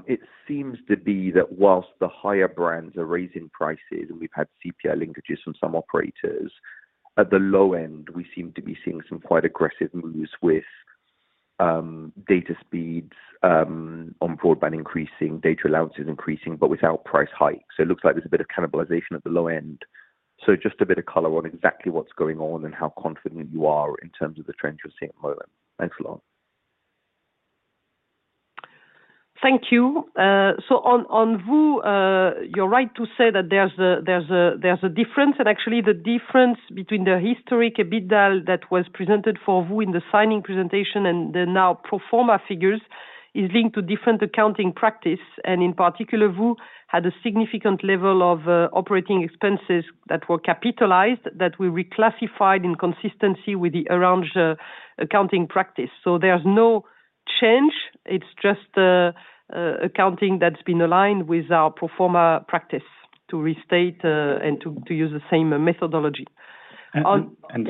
It seems to be that whilst the higher brands are raising prices, and we've had CPI linkages from some operators, at the low end, we seem to be seeing some quite aggressive moves with data speeds on broadband, increasing data allowances increasing, but without price hikes. It looks like there's a bit of cannibalization at the low end. Just a bit of color on exactly what's going on and how confident you are in terms of the trends you're seeing at the moment. Thanks a lot. Thank you. On VOO, you're right to say that there's a difference. Actually, the difference between the historic EBITDA that was presented for VOO in the signing presentation and the now pro forma figures is linked to different accounting practice, and in particular, VOO had a significant level of operating expenses that were capitalized, that we reclassified in consistency with the Orange accounting practice. There's no change, it's just the accounting that's been aligned with our pro forma practice to restate and to use the same methodology.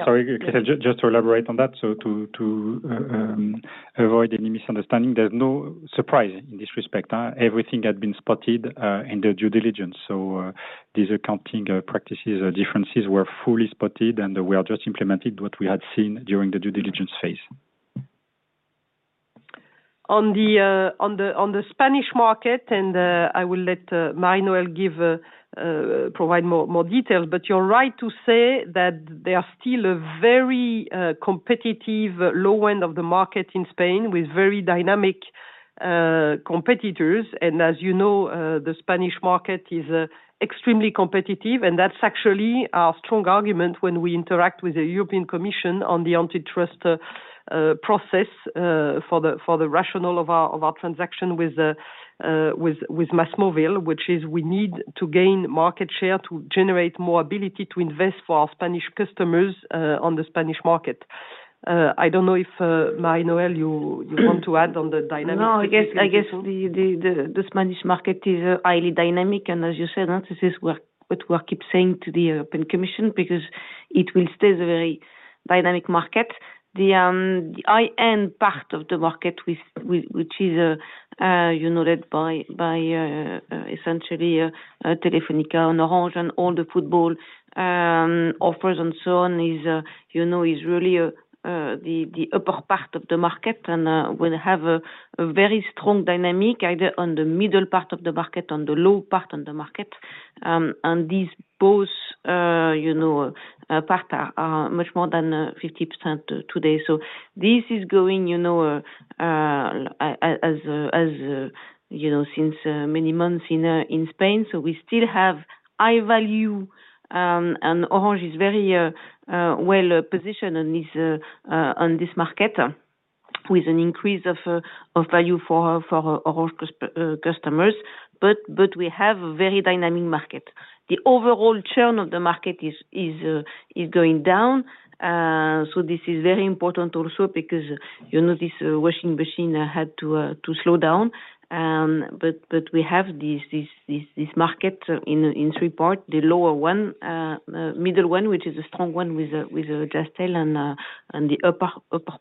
Sorry, just to elaborate on that, to avoid any misunderstanding, there's no surprise in this respect, everything had been spotted in the due diligence. These accounting practices or differences were fully spotted, and we have just implemented what we had seen during the due diligence phase. On the Spanish market, and I will let Mari-Noëlle give provide more details. You're right to say that there are still a very competitive low end of the market in Spain, with very dynamic competitors. As you know, the Spanish market is extremely competitive, and that's actually our strong argument when we interact with the European Commission on the antitrust process for the rational of our transaction with MásMóvil, which is we need to gain market share to generate more ability to invest for our Spanish customers on the Spanish market. I don't know if Mari-Noëlle, you want to add on the dynamic? I guess the Spanish market is highly dynamic, as you said, this is what we keep saying to the European Commission, because it will stay a very dynamic market. The high-end part of the market, which is, you know, led by essentially Telefónica and Orange and all the football offers and so on, is, you know, is really the upper part of the market and will have a very strong dynamic, either on the middle part of the market, on the low part on the market. These both, you know, part are much more than 50% today. This is going, you know, as you know, since many months in Spain. We still have high value, and Orange is very well-positioned on this market, with an increase of value for Orange customers. We have a very dynamic market. The overall churn of the market is going down. This is very important also because, you know, this washing machine had to slow down. We have this market in three parts, the lower one, middle one, which is a strong one with Jazztel and the upper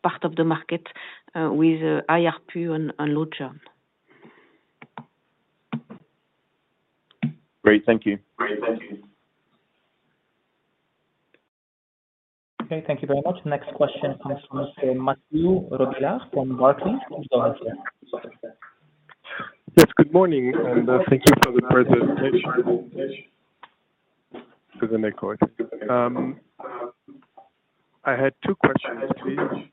part of the market with IRP and Yoigo. Great, thank you. Great, thank you. Okay, thank you very much. Next question comes from Mathieu Robilliard from Barclays. Yes, good morning, thank you for the presentation. There's an echo. I had 2 questions.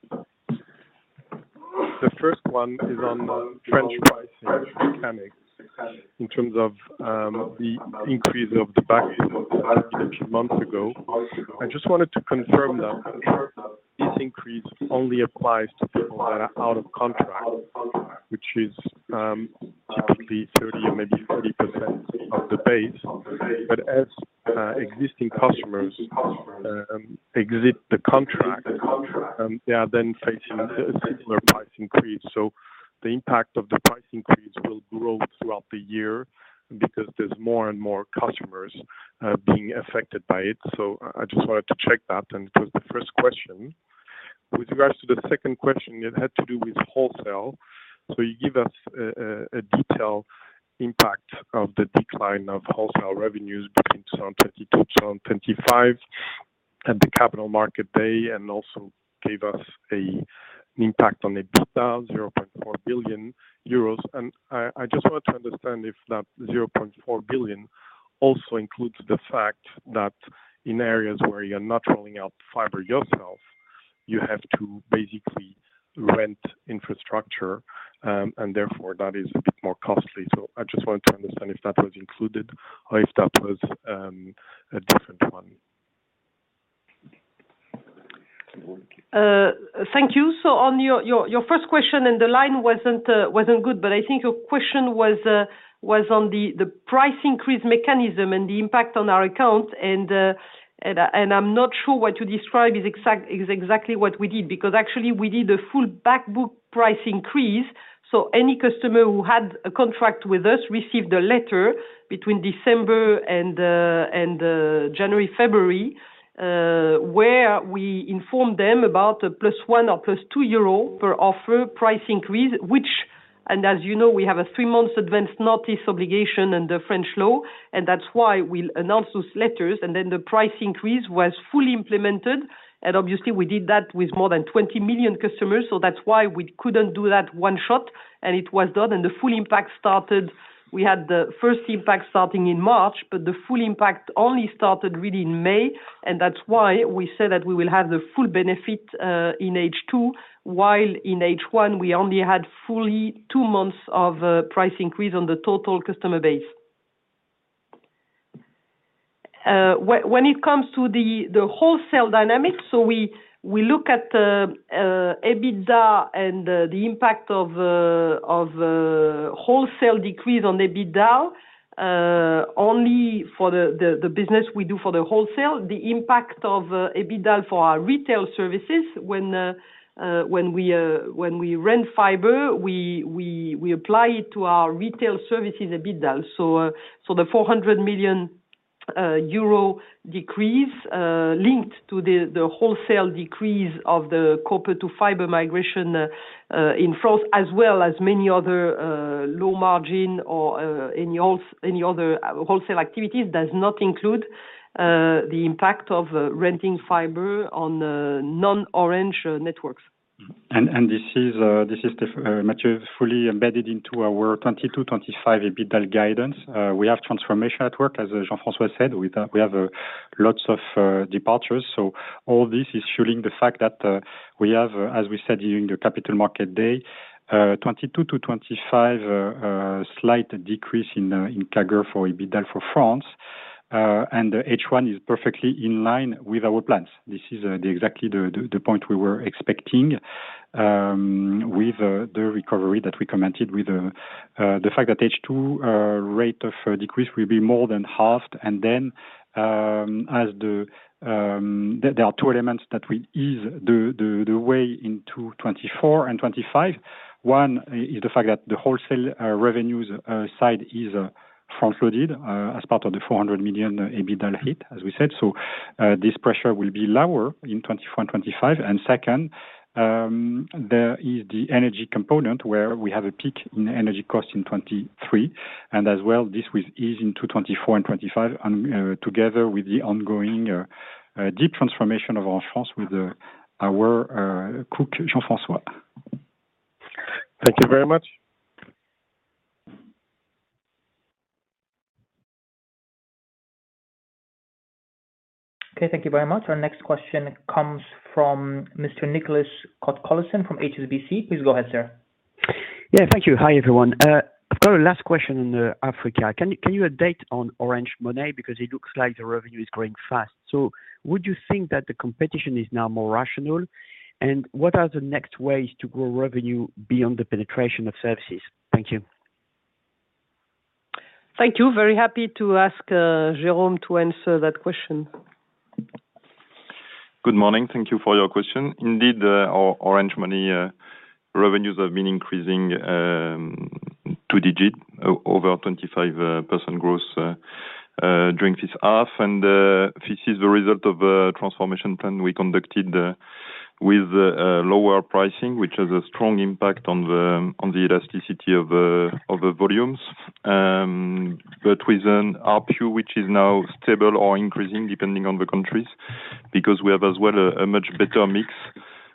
The first one is on the French pricing mechanics, in terms of the increase of the back a few months ago. I just wanted to confirm that this increase only applies to people that are out of contract, which is typically 30% or maybe 40% of the base. As existing customers exit the contract, they are then facing a similar price increase. The impact of the price increase will grow throughout the year because there's more and more customers being affected by it. I just wanted to check that, and it was the first question. With regards to the second question, it had to do with wholesale. You give us a detailed impact of the decline of wholesale revenues between zone 22, zone 25 at the Capital Markets Day, and also gave us an impact on the 0.4 billion euros. I just wanted to understand if that 0.4 billion also includes the fact that in areas where you're not rolling out fiber yourself, you have to basically rent infrastructure, and therefore, that is a bit more costly. I just wanted to understand if that was included or if that was a different one. Thank you. On your first question, the line wasn't good, but I think your question was on the price increase mechanism and the impact on our accounts. I'm not sure what you describe is exactly what we did, because actually we did a full back book price increase. Any customer who had a contract with us received a letter between December and January, February, where we informed them about a plus 1 or plus 2 euro per offer price increase, and as you know, we have a 3 months advance notice obligation in the French law, and that's why we announced those letters. Then the price increase was fully implemented. Obviously, we did that with more than 20 million customers, so that's why we couldn't do that one shot. It was done, and the full impact started. We had the first impact starting in March, but the full impact only started really in May. That's why we said that we will have the full benefit in H2, while in H1, we only had fully 2 months of price increase on the total customer base. When it comes to the wholesale dynamics, we look at the EBITDA and the impact of wholesale decrease on EBITDA only for the business we do for the wholesale. The impact of EBITDA for our retail services when we rent fiber, we apply it to our retail services EBITDA. The 400 million euro decrease linked to the wholesale decrease of the copper to fiber migration in France, as well as many other low margin or any other wholesale activities, does not include the impact of renting fiber on the non-Orange networks. This is mature, fully embedded into our 2022-2025 EBITDA guidance. We have transformation at work. As Jean-François said, we have lots of departures. All this is showing the fact that we have, as we said during the Capital Markets Day, 2022 to 2025, a slight decrease in CAGR for EBITDA for France. H1 is perfectly in line with our plans. This is exactly the point we were expecting, with the recovery that we commented with the fact that H2 rate of decrease will be more than halved. As there are two elements that will ease the way into 2024 and 2025. One is the fact that the wholesale revenues side is front-loaded as part of the 400 million EBITDA hit, as we said. This pressure will be lower in 2024 and 2025. Second, there is the energy component where we have a peak in energy cost in 2023, and as well, this will ease into 2024 and 2025, and together with the ongoing deep transformation of Orange France with our cook, Jean-François. Thank you very much. Okay, thank you very much. Our next question comes from Mr. Nicolas Cote-Colisson from HSBC. Please go ahead, sir. Yeah, thank you. Hi, everyone. I've got a last question on Africa. Can you update on Orange Money? It looks like the revenue is growing fast. Would you think that the competition is now more rational? What are the next ways to grow revenue beyond the penetration of services? Thank you. Thank you. Very happy to ask, Jérôme Hénique to answer that question. Good morning. Thank you for your question. Indeed, our Orange Money revenues have been increasing, 2-digit, over 25% growth during this half. This is the result of a transformation plan we conducted with lower pricing, which has a strong impact on the elasticity of the volumes. With an ARPU, which is now stable or increasing, depending on the countries, because we have as well a much better mix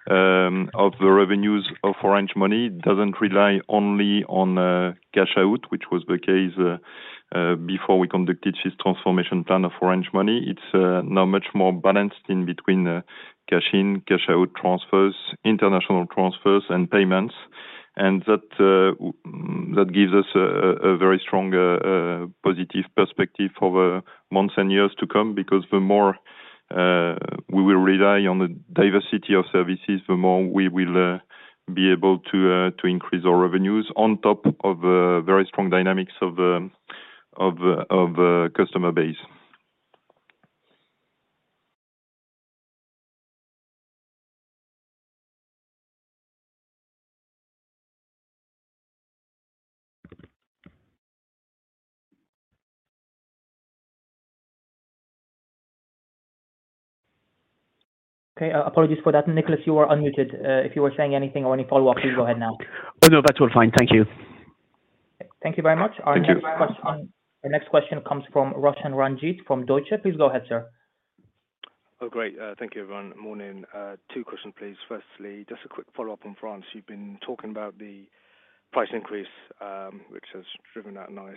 of the revenues of Orange Money. It doesn't rely only on cash out, which was the case before we conducted this transformation plan of Orange Money. It's now much more balanced in between the cash in, cash out transfers, international transfers, and payments. That gives us a very strong positive perspective for the months and years to come, because the more we will rely on the diversity of services, the more we will be able to increase our revenues on top of very strong dynamics of customer base. Okay, apologies for that. Nicholas, you are unmuted. If you were saying anything or any follow-up, please go ahead now. Oh, no, that's all fine. Thank you. Thank you very much. Thank you. Our next question comes from Roshan Ranjit from Deutsche Bank. Please go ahead, sir. Great. Thank you, everyone. Morning. Two questions, please. Firstly, just a quick follow-up on France. You've been talking about the price increase, which has driven that nice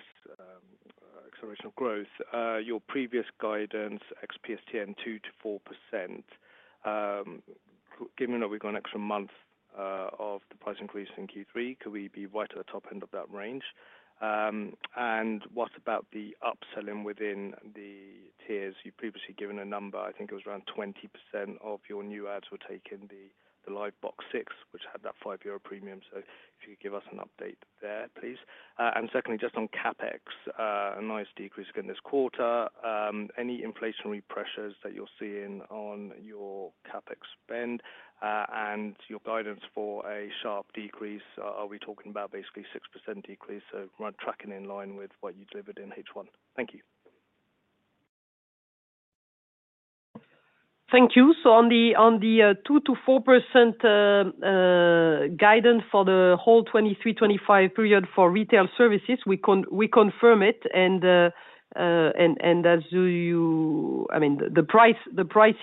acceleration of growth. Your previous guidance, ex PSTN, 2%-4%. Given that we've got an extra month of the price increase in Q3, could we be right at the top end of that range? What about the upselling within the tiers? You've previously given a number. I think it was around 20% of your new ads were taking the Livebox 6, which had that 5 euro premium. If you could give us an update there, please. Secondly, just on CapEx, a nice decrease again this quarter. Any inflationary pressures that you're seeing on your CapEx spend, and your guidance for a sharp decrease, are we talking about basically 6% decrease? We're tracking in line with what you delivered in H1. Thank you. Thank you. On the 2%-4% guidance for the whole 2023-2025 period for retail services, we confirm it. As you I mean, the price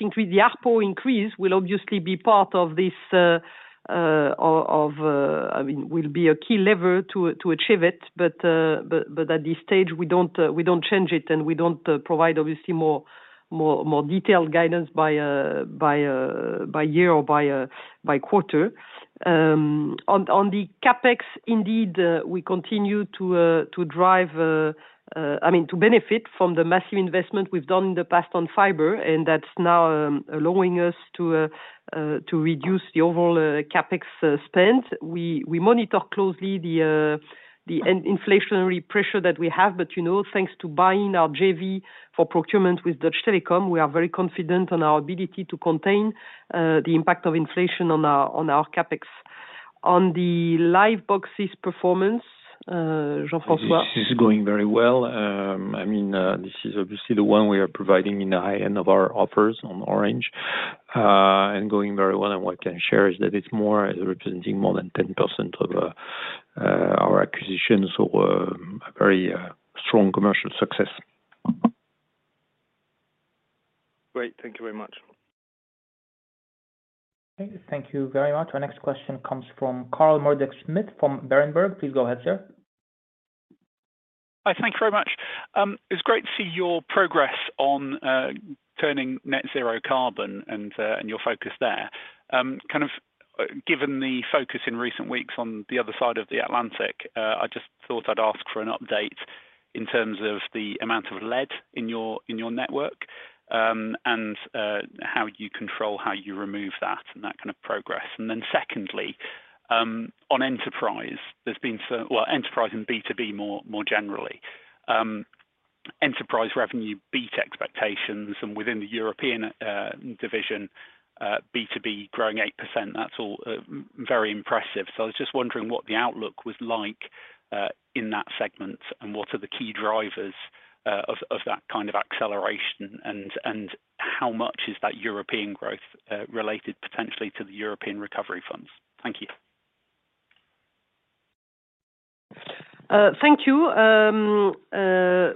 increase, the ARPU increase will obviously be part of this, of I mean, will be a key lever to achieve it. At this stage, we don't change it, and we don't provide obviously more detailed guidance by year or by quarter. On the CapEx, indeed, we continue to drive, I mean, to benefit from the massive investment we've done in the past on fiber, and that's now allowing us to reduce the overall CapEx spend. We monitor closely the inflationary pressure that we have, but, you know, thanks to BuyIn our JV for procurement with Deutsche Telekom, we are very confident on our ability to contain the impact of inflation on our CapEx. On the Livebox's performance, Jean-François? This is going very well. I mean, this is obviously the one we are providing in the high end of our offers on Orange, and going very well. What I can share is that it's representing more than 10% of our acquisitions, so a very strong commercial success. Great. Thank you very much. Okay, thank you very much. Our next question comes from Carl Murdock-Smith from Berenberg. Please go ahead, sir. Hi, thank you very much. It's great to see your progress on turning net zero carbon and your focus there. Kind of given the focus in recent weeks on the other side of the Atlantic, I just thought I'd ask for an update in terms of the amount of lead in your, in your network, and how you control, how you remove that and that kind of progress. Then secondly, on enterprise, well, enterprise and B2B more generally. Enterprise revenue beat expectations, and within the European division, B2B growing 8%, that's all very impressive. I was just wondering what the outlook was like in that segment, and what are the key drivers of that kind of acceleration? How much is that European growth, related potentially to the European recovery funds? Thank you. Thank you.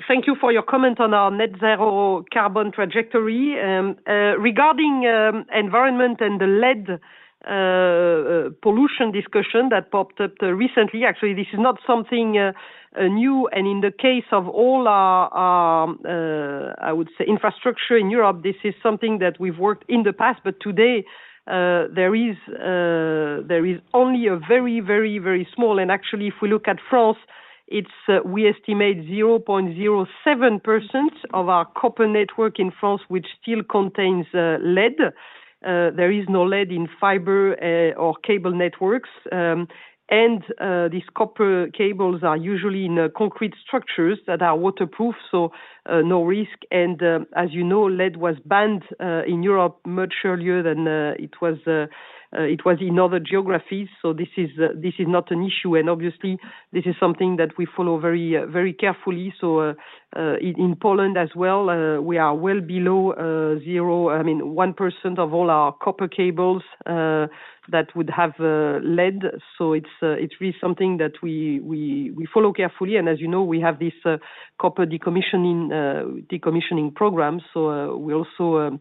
Thank you for your comment on our net zero carbon trajectory. Regarding environment and the lead pollution discussion that popped up recently, actually, this is not something new. In the case of all our, I would say infrastructure in Europe, this is something that we've worked in the past, but today, there is only a very, very, very small. Actually, if we look at France, we estimate 0.07% of our copper network in France, which still contains lead. There is no lead in fiber or cable networks. These copper cables are usually in concrete structures that are waterproof, so no risk. As you know, lead was banned in Europe much earlier than it was in other geographies. This is not an issue, and obviously, this is something that we follow very carefully. In Poland as well, we are well below, I mean, 1% of all our copper cables that would have lead. It's really something that we follow carefully. As you know, we have this copper decommissioning program. We also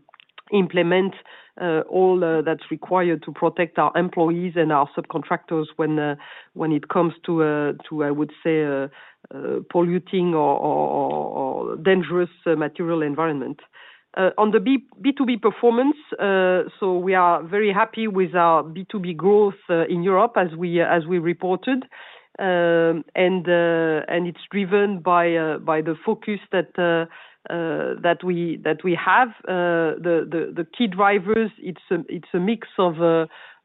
implement all that's required to protect our employees and our subcontractors when it comes to, I would say, polluting or dangerous material environment. On the B2B performance, we are very happy with our B2B growth in Europe, as we reported. It's driven by the focus that we have. The key drivers, it's a mix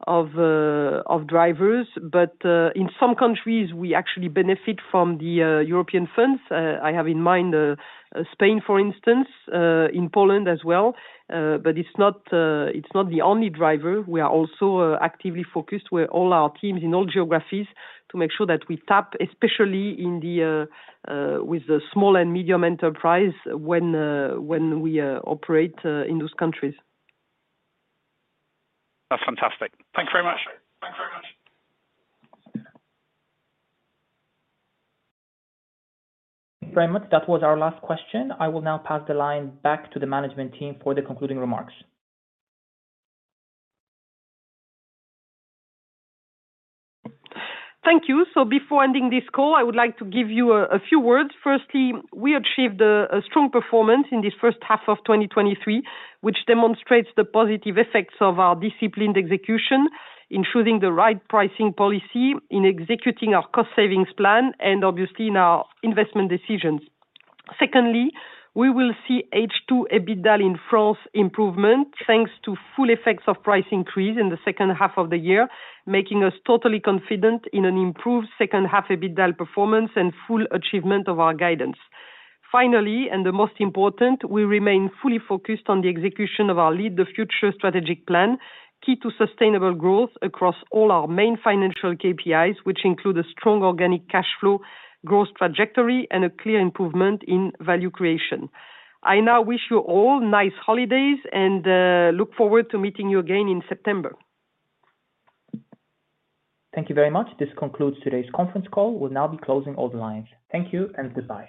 of drivers, but in some countries, we actually benefit from the European funds. I have in mind Spain, for instance, in Poland as well. It's not the only driver. We are also actively focused with all our teams in all geographies, to make sure that we tap, especially in the with the small and medium enterprise when we operate in those countries. That's fantastic. Thank you very much. Thank you very much. Thank you very much. That was our last question. I will now pass the line back to the management team for the concluding remarks. Thank you. Before ending this call, I would like to give you a few words. Firstly, we achieved a strong performance in this first half of 2023, which demonstrates the positive effects of our disciplined execution, including the right pricing policy in executing our cost savings plan and obviously in our investment decisions. Secondly, we will see H2 EBITDA in France improvement, thanks to full effects of price increase in the second half of the year, making us totally confident in an improved second half EBITDA performance and full achievement of our guidance. Finally, the most important, we remain fully focused on the execution of our Lead the Future strategic plan, key to sustainable growth across all our main financial KPIs, which include a strong organic cash flow, growth trajectory, and a clear improvement in value creation. I now wish you all nice holidays and look forward to meeting you again in September. Thank you very much. This concludes today's conference call. We'll now be closing all the lines. Thank you and goodbye.